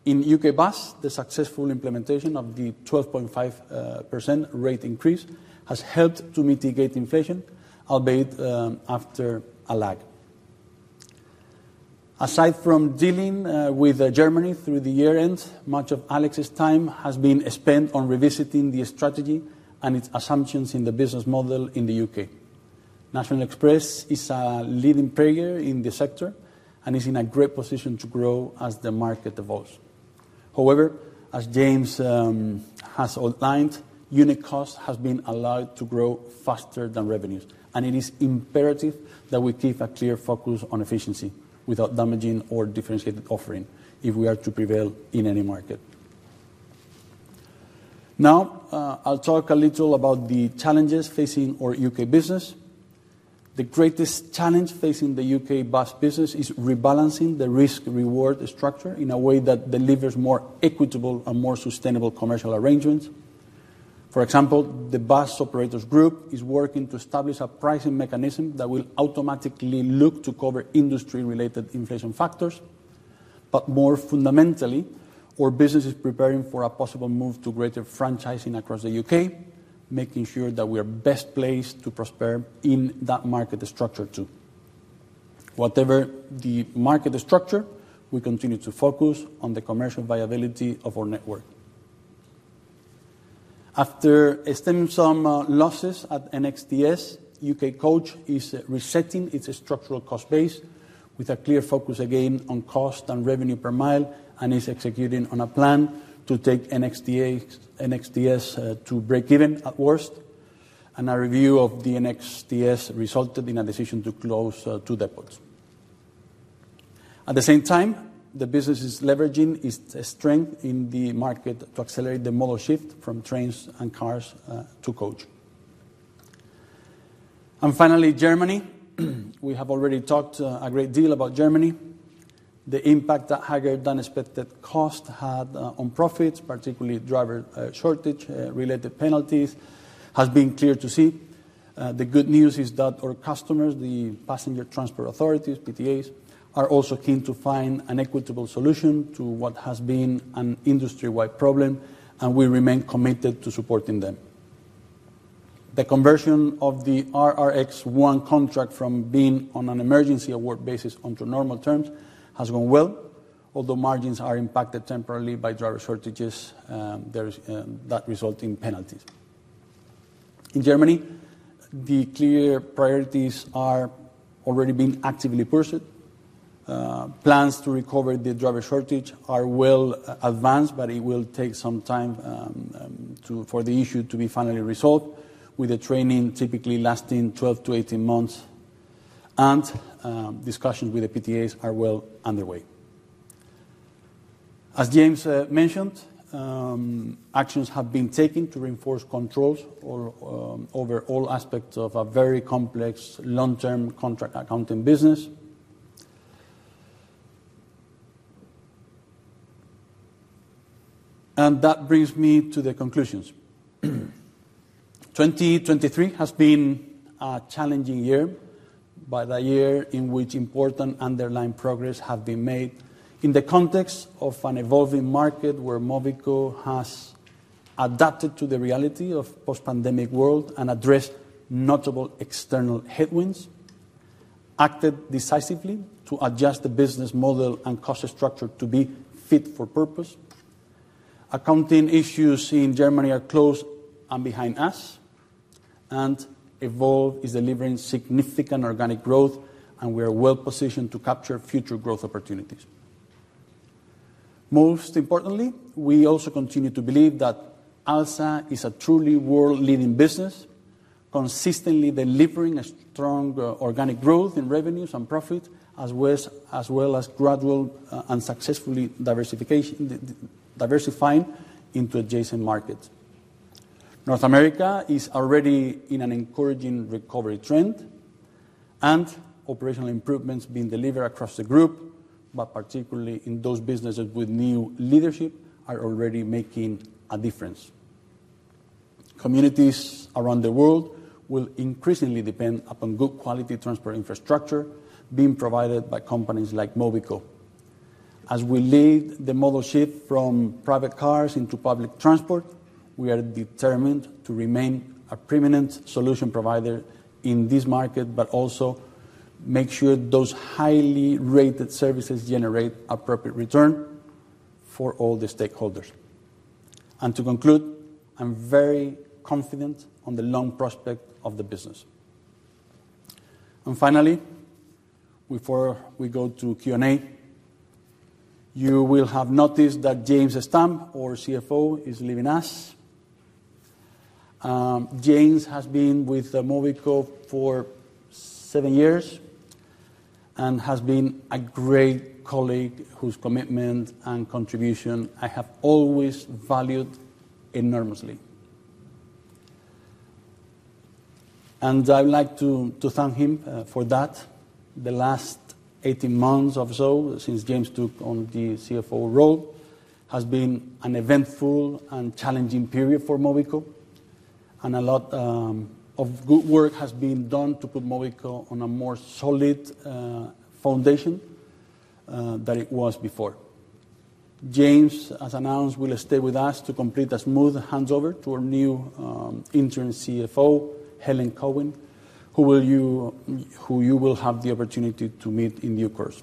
Speaker 1: In U.K. bus, the successful implementation of the 12.5% rate increase has helped to mitigate inflation, albeit after a lag. Aside from dealing with Germany through the year end, much of Alex's time has been spent on revisiting the strategy and its assumptions in the business model in the U.K. National Express is a leading player in the sector and is in a great position to grow as the market evolves. However, as James has outlined, unit cost has been allowed to grow faster than revenues. It is imperative that we keep a clear focus on efficiency without damaging our differentiated offering if we are to prevail in any market. Now, I'll talk a little about the challenges facing our U.K. business. The greatest challenge facing the U.K. bus business is rebalancing the risk-reward structure in a way that delivers more equitable and more sustainable commercial arrangements. For example, the Bus Operators Group is working to establish a pricing mechanism that will automatically look to cover industry-related inflation factors. But more fundamentally, our business is preparing for a possible move to greater franchising across the UK, making sure that we are best placed to prosper in that market structure too. Whatever the market structure, we continue to focus on the commercial viability of our network. After stemming some losses at NXTS, UK Coach is resetting its structural cost base with a clear focus again on cost and revenue per mile and is executing on a plan to take NXTS to break even at worst. A review of the NXTS resulted in a decision to close two depots. At the same time, the business is leveraging its strength in the market to accelerate the model shift from trains and cars to coach. Finally, Germany. We have already talked a great deal about Germany. The impact that higher-than-expected cost had on profits, particularly driver shortage-related penalties, has been clear to see. The good news is that our customers, the Passenger Transport Authorities, PTAs, are also keen to find an equitable solution to what has been an industry-wide problem, and we remain committed to supporting them. The conversion of the RRX One contract from being on an emergency award basis onto normal terms has gone well, although margins are impacted temporarily by driver shortages that result in penalties. In Germany, the clear priorities are already being actively pursued. Plans to recover the driver shortage are well advanced, but it will take some time for the issue to be finally resolved, with the training typically lasting 12-18 months. Discussions with the PTAs are well underway. As James mentioned, actions have been taken to reinforce controls over all aspects of a very complex, long-term contract accounting business. That brings me to the conclusions. 2023 has been a challenging year, but a year in which important underlying progress has been made in the context of an evolving market where Mobico has adapted to the reality of the post-pandemic world and addressed notable external headwinds, acted decisively to adjust the business model and cost structure to be fit for purpose. Accounting issues in Germany are closed and behind us. Evolve is delivering significant organic growth, and we are well positioned to capture future growth opportunities. Most importantly, we also continue to believe that ALSA is a truly world-leading business, consistently delivering strong organic growth in revenues and profits, as well as gradual and successfully diversifying into adjacent markets. North America is already in an encouraging recovery trend. Operational improvements being delivered across the group, but particularly in those businesses with new leadership, are already making a difference. Communities around the world will increasingly depend upon good-quality transport infrastructure being provided by companies like Mobico. As we lead the model shift from private cars into public transport, we are determined to remain a prominent solution provider in this market, but also make sure those highly rated services generate appropriate returns for all the stakeholders. To conclude, I'm very confident in the long prospect of the business. Finally, before we go to Q&A, you will have noticed that James Stamp, our CFO, is leaving us. James has been with Mobico for seven years and has been a great colleague whose commitment and contribution I have always valued enormously. I would like to thank him for that. The last 18 months or so since James took on the CFO role has been an eventful and challenging period for Mobico. A lot of good work has been done to put Mobico on a more solid foundation than it was before. James, as announced, will stay with us to complete a smooth handover to our new interim CFO, Helen Cowing, who you will have the opportunity to meet in due course.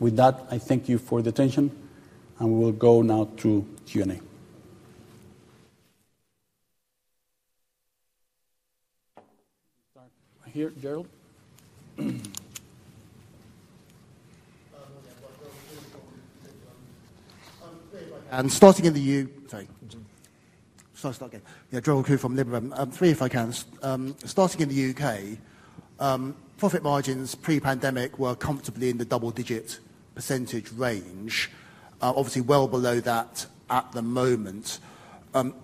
Speaker 1: With that, I thank you for the attention. We will go now to Q&A.
Speaker 3: Start here, Gerald. Yeah, Gerald Khoo from Liberum. Three, if I can. Starting in the U.K., profit margins pre-pandemic were comfortably in the double-digit % range, obviously well below that at the moment.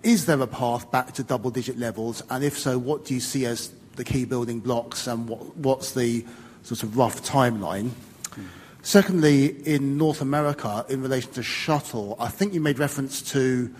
Speaker 3: Is there a path back to double-digit levels? If so, what do you see as the key building blocks, and what's the sort of rough timeline? Secondly, in North America, in relation to shuttle, I think you made reference to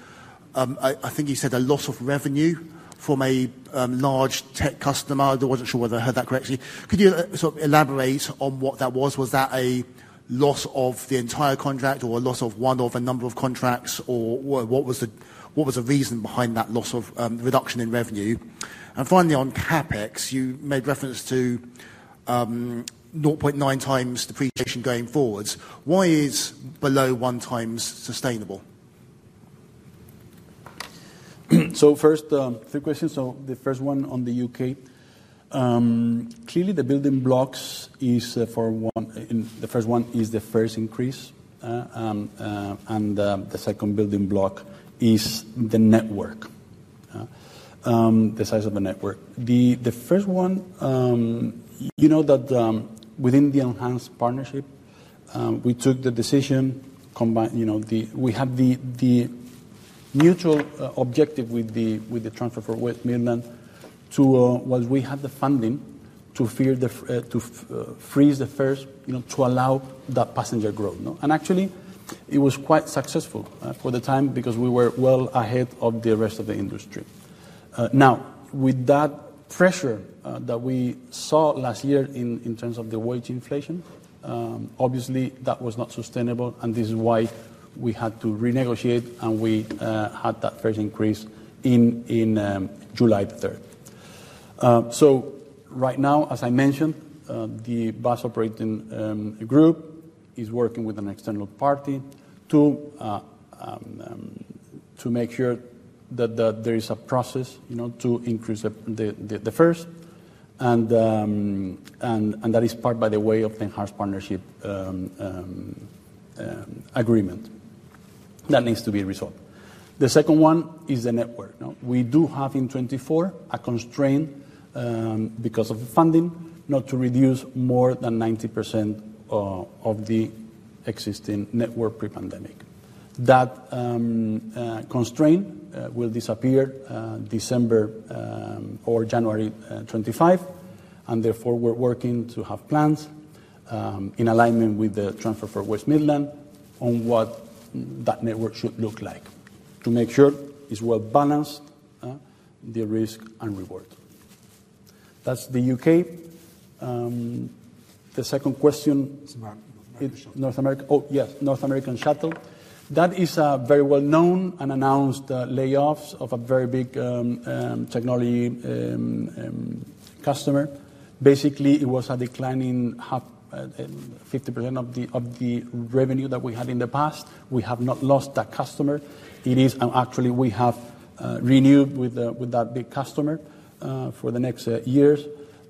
Speaker 3: I think you said a loss of revenue from a large tech customer. I wasn't sure whether I heard that correctly. Could you sort of elaborate on what that was? Was that a loss of the entire contract or a loss of one of a number of contracts, or what was the reason behind that loss of reduction in revenue? And finally, on CapEx, you made reference to 0.9 times depreciation going forward. Why is below 1 times sustainable?
Speaker 1: So first, three questions. So the first one on the U.K. Clearly, the building blocks is for one the fares one is the fares increase. And the second building block is the network, the size of the network. The first one, you know that within the Enhanced Partnership, we took the decision we had the mutual objective with the Transport for West Midlands to, once we had the funding, to freeze the fares to allow that passenger growth. And actually, it was quite successful for the time because we were well ahead of the rest of the industry. Now, with that pressure that we saw last year in terms of the wage inflation, obviously, that was not sustainable. And this is why we had to renegotiate, and we had that fares increase on July 3rd. So right now, as I mentioned, the bus operating group is working with an external party to make sure that there is a process to increase the fares. And that is part, by the way, of the Enhanced Partnership agreement that needs to be resolved. The second one is the network. We do have in 2024 a constraint because of funding not to reduce more than 90% of the existing network pre-pandemic. That constraint will disappear December or January 2025. And therefore, we're working to have plans in alignment with TfWM on what that network should look like to make sure it's well balanced, the risk and reward. That's the U.K. The second question.
Speaker 3: North America.
Speaker 1: North America? Oh, yes. North American Shuttle. That is a very well-known and announced layoffs of a very big technology customer. Basically, it was a declining 50% of the revenue that we had in the past. We have not lost that customer. Actually, we have renewed with that big customer for the next years.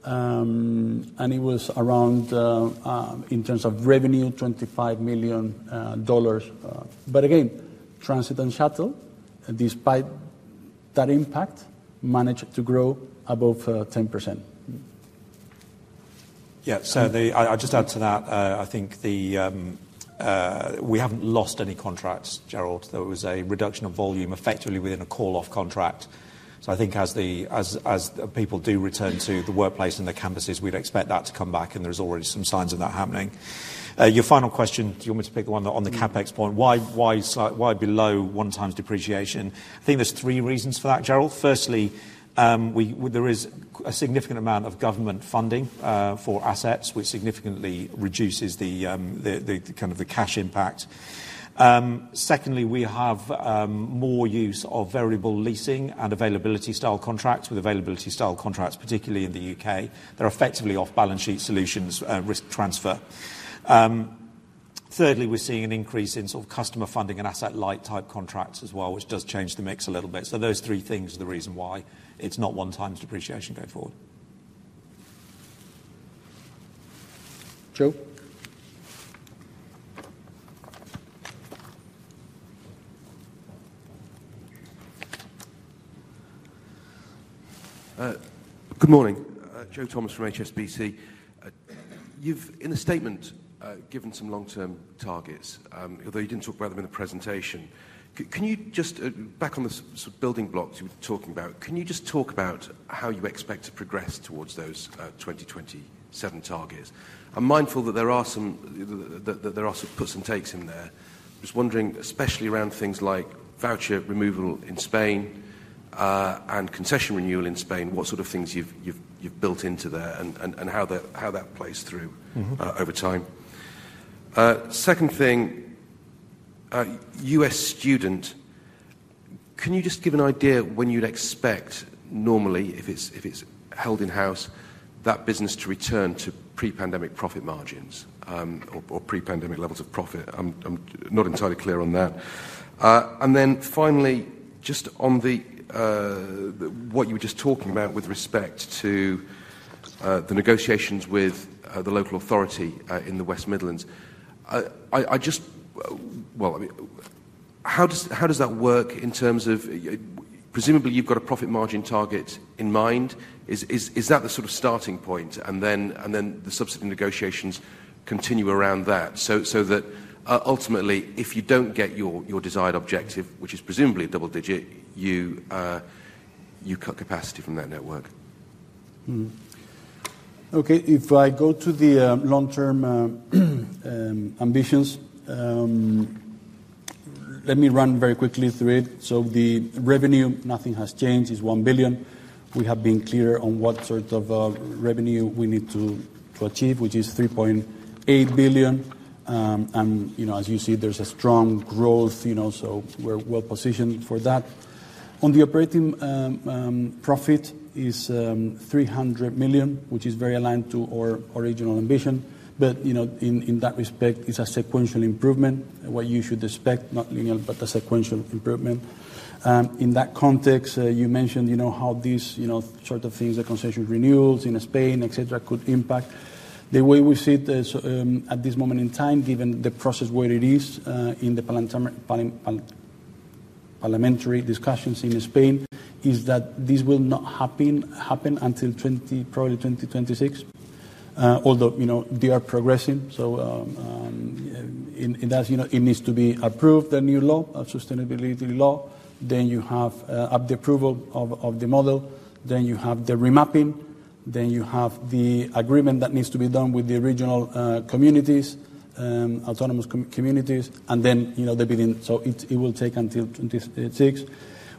Speaker 1: And it was around, in terms of revenue, $25 million. But again, Transit and Shuttle, despite that impact, managed to grow above 10%.
Speaker 2: Yeah. So I'll just add to that. I think we haven't lost any contracts, Gerald. There was a reduction of volume effectively within a call-off contract. So I think as people do return to the workplace and the campuses, we'd expect that to come back. And there's already some signs of that happening. Your final question, do you want me to pick the one on the CapEx point? Why below 1x depreciation? I think there's three reasons for that, Gerald. Firstly, there is a significant amount of government funding for assets, which significantly reduces kind of the cash impact. Secondly, we have more use of variable leasing and availability-style contracts. With availability-style contracts, particularly in the U.K., they're effectively off-balance sheet solutions, risk transfer. Thirdly, we're seeing an increase in sort of customer funding and asset-light type contracts as well, which does change the mix a little bit. Those three things are the reason why it's not 1x depreciation going forward.
Speaker 1: Joe?
Speaker 4: Good morning. Joe Thomas from HSBC. In a statement, you've given some long-term targets, although you didn't talk about them in the presentation. Back on the sort of building blocks you were talking about, can you just talk about how you expect to progress towards those 2027 targets? I'm mindful that there are some that there are sort of puts and takes in there. I was wondering, especially around things like voucher removal in Spain and concession renewal in Spain, what sort of things you've built into there and how that plays through over time. Second thing, US Student, can you just give an idea when you'd expect, normally, if it's held in-house, that business to return to pre-pandemic profit margins or pre-pandemic levels of profit? I'm not entirely clear on that. And then finally, just on what you were just talking about with respect to the negotiations with the local authority in the West Midlands, I just well, I mean, how does that work in terms of presumably, you've got a profit margin target in mind. Is that the sort of starting point? And then the subsidy negotiations continue around that so that ultimately, if you don't get your desired objective, which is presumably a double-digit, you cut capacity from that network?
Speaker 1: Okay. If I go to the long-term ambitions, let me run very quickly through it. So the revenue, nothing has changed. It's 1 billion. We have been clear on what sort of revenue we need to achieve, which is 3.8 billion. And as you see, there's a strong growth. So we're well positioned for that. On the operating profit, it's 300 million, which is very aligned to our original ambition. But in that respect, it's a sequential improvement, what you should expect, not linear, but a sequential improvement. In that context, you mentioned how these sort of things, the concession renewals in Spain, etc., could impact. The way we see it at this moment in time, given the process where it is in the parliamentary discussions in Spain, is that this will not happen until probably 2026, although they are progressing. So it needs to be approved, the new law, a sustainability law. Then you have the approval of the model. Then you have the remapping. Then you have the agreement that needs to be done with the regional communities, autonomous communities, and then the billing. So it will take until 2026.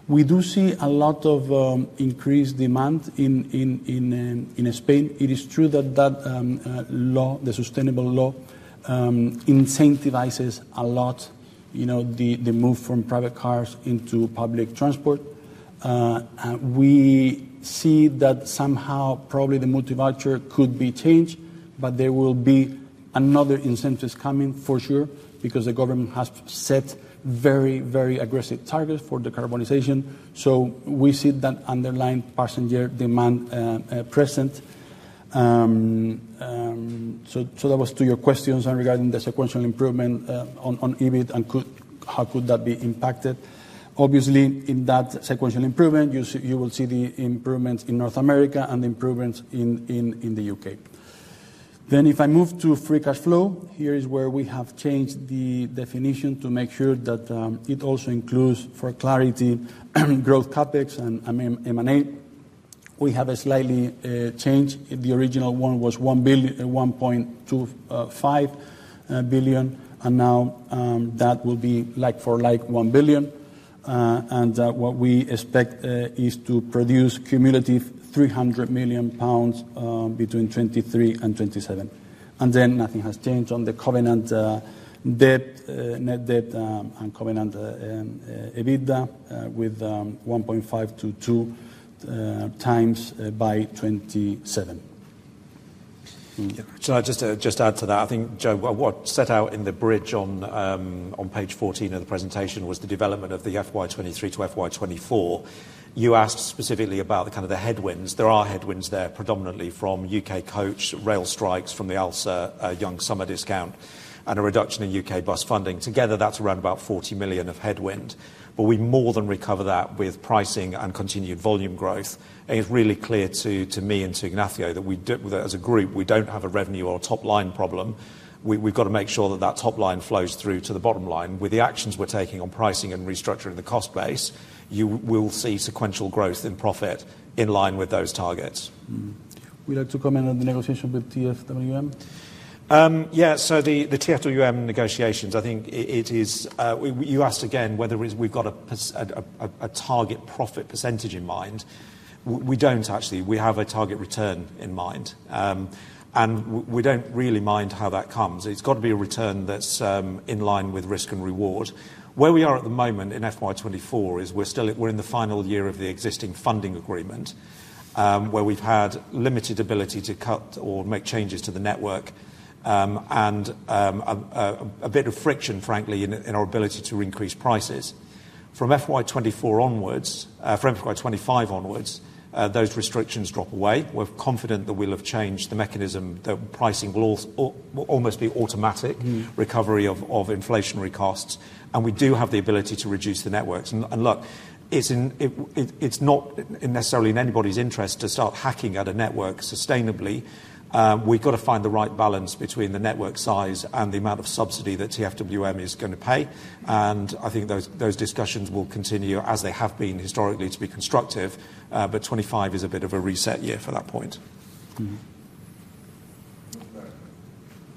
Speaker 1: We do see a lot of increased demand in Spain. It is true that that law, the sustainable law, incentivizes a lot the move from private cars into public transport. We see that somehow, probably the multi-voucher could be changed. But there will be another incentives coming for sure because the government has set very, very aggressive targets for the decarbonization. So we see that underlying passenger demand present. So that was to your questions regarding the sequential improvement on EBIT and how could that be impacted. Obviously, in that sequential improvement, you will see the improvements in North America and the improvements in the UK. Then if I move to free cash flow, here is where we have changed the definition to make sure that it also includes, for clarity, growth CapEx and M&A. We have a slight change. The original one was 1.25 billion. And now that will be like-for-like 1 billion. And what we expect is to produce cumulative 300 million pounds between 2023 and 2027. And then nothing has changed on the covenant debt, net debt, and covenant EBITDA with 1.5-2 times by 2027.
Speaker 2: So just to add to that, I think, Joe, what set out in the bridge on page 14 of the presentation was the development of the FY 2023 to FY 2024. You asked specifically about kind of the headwinds. There are headwinds there, predominantly from UK Coach, rail strikes, from the Alsa Young Summer discount, and a reduction in UK bus funding. Together, that's around about 40 million of headwind. But we more than recover that with pricing and continued volume growth. And it's really clear to me and to Ignacio that as a group, we don't have a revenue or a top-line problem. We've got to make sure that that top-line flows through to the bottom line. With the actions we're taking on pricing and restructuring the cost base, you will see sequential growth in profit in line with those targets.
Speaker 1: Would you like to comment on the negotiations with TfWM?
Speaker 2: Yeah. So the TfWM negotiations, I think it is you asked again whether we've got a target profit percentage in mind. We don't, actually. We have a target return in mind. And we don't really mind how that comes. It's got to be a return that's in line with risk and reward. Where we are at the moment in FY2024 is we're in the final year of the existing funding agreement where we've had limited ability to cut or make changes to the network and a bit of friction, frankly, in our ability to increase prices. From FY2024 onwards from FY2025 onwards, those restrictions drop away. We're confident that we'll have changed the mechanism that pricing will almost be automatic recovery of inflationary costs. And we do have the ability to reduce the networks. And look, it's not necessarily in anybody's interest to start hacking at a network sustainably. We've got to find the right balance between the network size and the amount of subsidy that TfWM is going to pay. And I think those discussions will continue, as they have been historically, to be constructive. But 2025 is a bit of a reset year for that point.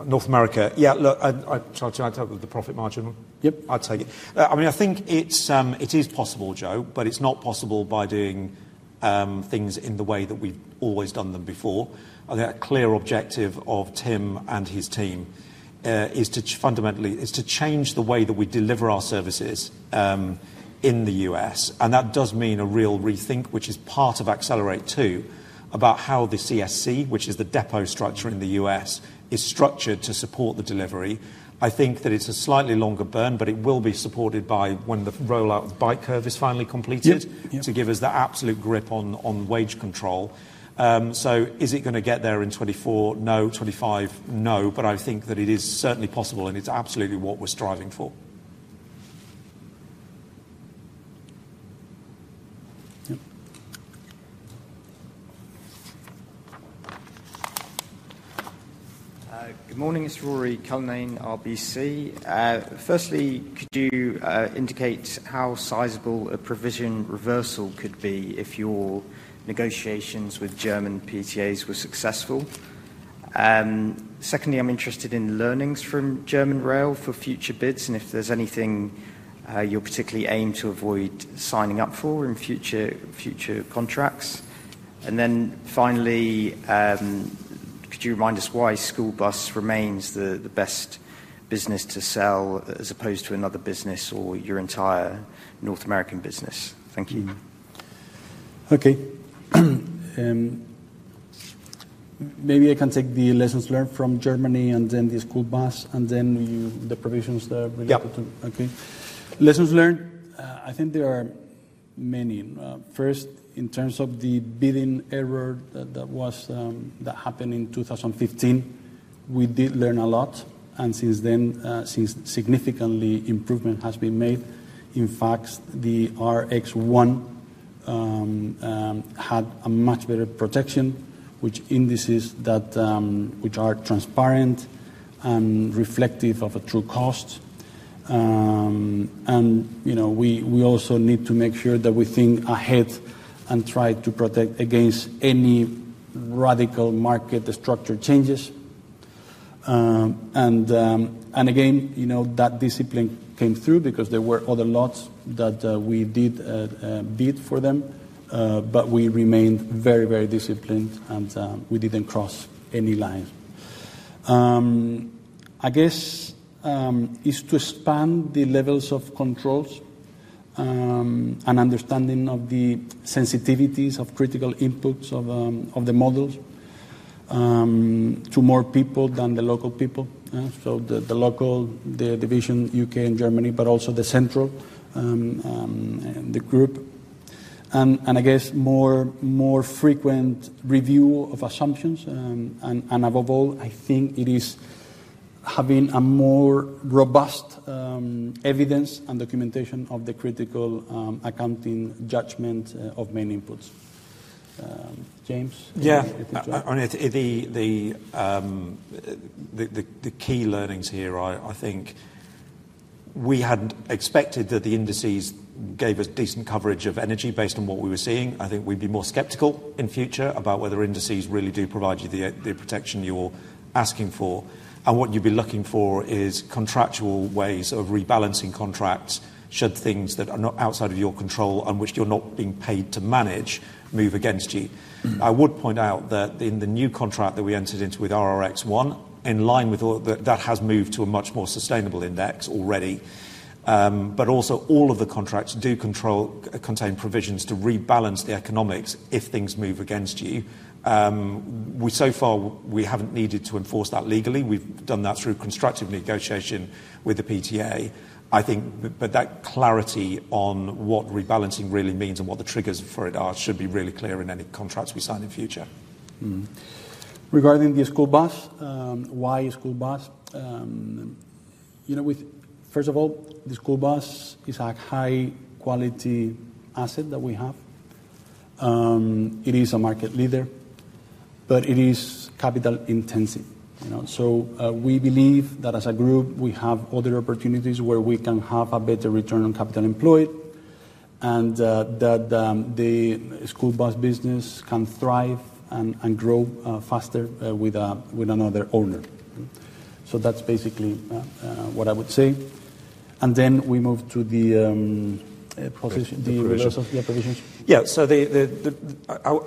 Speaker 2: North America. Yeah. Look, James, do you want to talk about the profit margin one?
Speaker 1: Yep. I'll take it. I mean, I think it is possible, Joe, but it's not possible by doing things in the way that we've always done them before. I think a clear objective of Tim and his team is to fundamentally is to change the way that we deliver our services in the U.S. And that does mean a real rethink, which is part of Accelerate 2, about how the CSC, which is the depot structure in the U.S., is structured to support the delivery. I think that it's a slightly longer burn, but it will be supported by when the rollout of the ByteCurve is finally completed to give us the absolute grip on wage control. So is it going to get there in 2024? No. 2025? No. But I think that it is certainly possible. And it's absolutely what we're striving for. Yep.
Speaker 5: Good morning. It's Ruairi Cullinane, RBC. Firstly, could you indicate how sizable a provision reversal could be if your negotiations with German PTAs were successful? Secondly, I'm interested in learnings from German Rail for future bids and if there's anything you'll particularly aim to avoid signing up for in future contracts. And then finally, could you remind us why school bus remains the best business to sell as opposed to another business or your entire North American business? Thank you.
Speaker 3: Okay. Maybe I can take the lessons learned from Germany and then the school bus and then the provisions that are related to.
Speaker 5: Yeah.
Speaker 1: Okay. Lessons learned, I think there are many. First, in terms of the bidding error that happened in 2015, we did learn a lot. And since then, significantly improvement has been made. In fact, the RRX 1 had a much better protection, which indices that are transparent and reflective of a true cost. And we also need to make sure that we think ahead and try to protect against any radical market structure changes. And again, that discipline came through because there were other lots that we did bid for them. But we remained very, very disciplined. And we didn't cross any lines. I guess it's to expand the levels of controls and understanding of the sensitivities of critical inputs of the models to more people than the local people, so the local, the division, U.K. and Germany, but also the central group. I guess more frequent review of assumptions. Above all, I think it is having a more robust evidence and documentation of the critical accounting judgment of main inputs. James?
Speaker 2: Yeah. I mean, the key learnings here, I think we hadn't expected that the indices gave us decent coverage of energy based on what we were seeing. I think we'd be more skeptical in future about whether indices really do provide you the protection you're asking for. And what you'd be looking for is contractual ways of rebalancing contracts should things that are not outside of your control and which you're not being paid to manage move against you. I would point out that in the new contract that we entered into with RRX 1, in line with that, that has moved to a much more sustainable index already. But also, all of the contracts do contain provisions to rebalance the economics if things move against you. So far, we haven't needed to enforce that legally. We've done that through constructive negotiation with the PTA, I think. That clarity on what rebalancing really means and what the triggers for it are should be really clear in any contracts we sign in future.
Speaker 1: Regarding the school bus, why school bus? First of all, the school bus is a high-quality asset that we have. It is a market leader. But it is capital-intensive. So we believe that as a group, we have other opportunities where we can have a better return on capital employed and that the school bus business can thrive and grow faster with another owner. So that's basically what I would say. Then we move to the provisions. The provisions.
Speaker 2: Yeah. So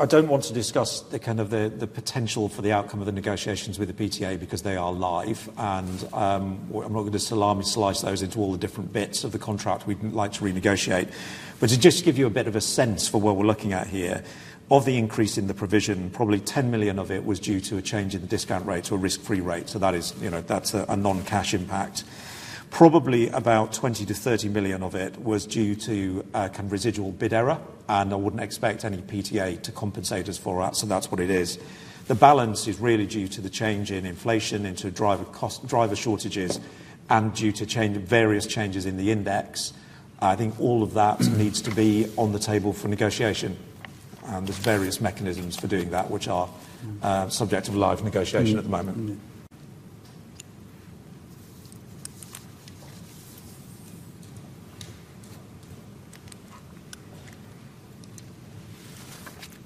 Speaker 2: I don't want to discuss kind of the potential for the outcome of the negotiations with the PTA because they are live. And I'm not going to salami-slice those into all the different bits of the contract we'd like to renegotiate. But to just give you a bit of a sense for what we're looking at here of the increase in the provision, probably 10 million of it was due to a change in the discount rate to a risk-free rate. So that's a non-cash impact. Probably about 20 million-30 million of it was due to kind of residual bid error. And I wouldn't expect any PTA to compensate us for that. So that's what it is. The balance is really due to the change in inflation into driver shortages and due to various changes in the index. I think all of that needs to be on the table for negotiation. There's various mechanisms for doing that, which are subject of live negotiation at the moment.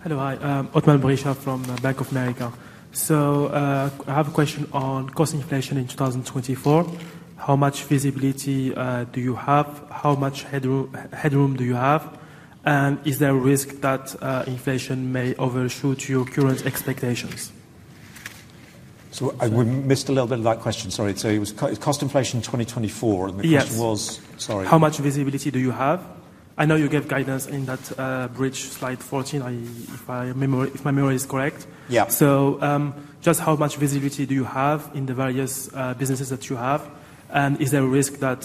Speaker 6: Hello. I'm Othmane Bricha from Bank of America. So I have a question on cost inflation in 2024. How much visibility do you have? How much headroom do you have? And is there a risk that inflation may overshoot your current expectations?
Speaker 4: We missed a little bit of that question. Sorry. It was cost inflation 2024. And the question was.
Speaker 6: Yes.
Speaker 2: Sorry.
Speaker 6: How much visibility do you have? I know you gave guidance in that bridge slide 14, if my memory is correct. So just how much visibility do you have in the various businesses that you have? And is there a risk that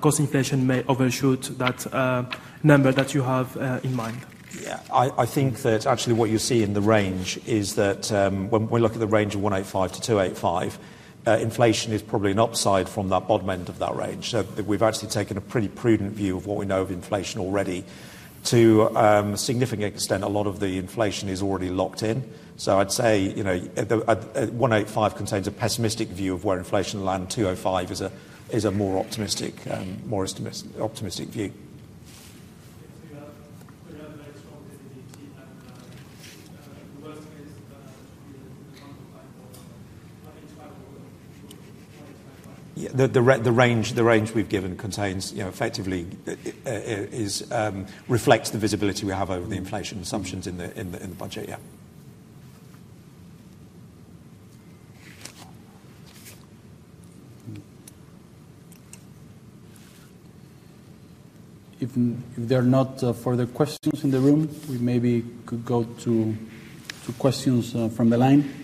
Speaker 6: cost inflation may overshoot that number that you have in mind?
Speaker 4: Yeah. I think that actually, what you see in the range is that when we look at the range of 185-285, inflation is probably an upside from that bottom end of that range. So we've actually taken a pretty prudent view of what we know of inflation already. To a significant extent, a lot of the inflation is already locked in. So I'd say 185 contains a pessimistic view of where inflation lands. 205 is a more optimistic view.
Speaker 6: Yeah. The range we've given contains, effectively, reflects the visibility we have over the inflation assumptions in the budget. Yeah.
Speaker 1: If there are not further questions in the room, we maybe could go to questions from the line.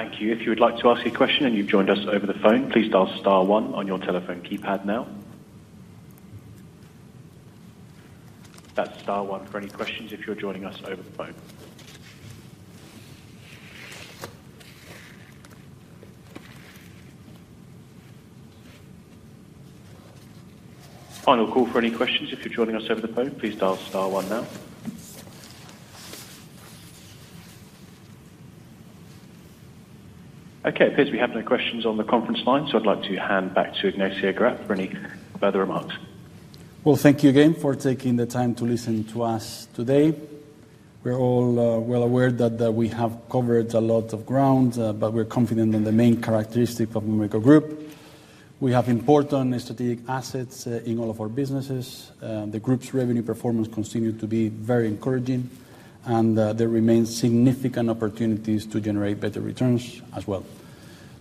Speaker 7: Thank you. If you would like to ask a question and you've joined us over the phone, please dial star 1 on your telephone keypad now. That's star 1 for any questions if you're joining us over the phone. Final call for any questions if you're joining us over the phone. Please dial star 1 now. Okay. It appears we have no questions on the conference line. So I'd like to hand back to Ignacio Garat for any further remarks.
Speaker 1: Well, thank you again for taking the time to listen to us today. We're all well aware that we have covered a lot of ground. But we're confident in the main characteristic of Mobico Group. We have important strategic assets in all of our businesses. The group's revenue performance continued to be very encouraging. And there remain significant opportunities to generate better returns as well.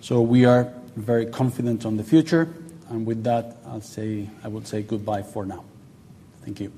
Speaker 1: So we are very confident on the future. And with that, I would say goodbye for now. Thank you.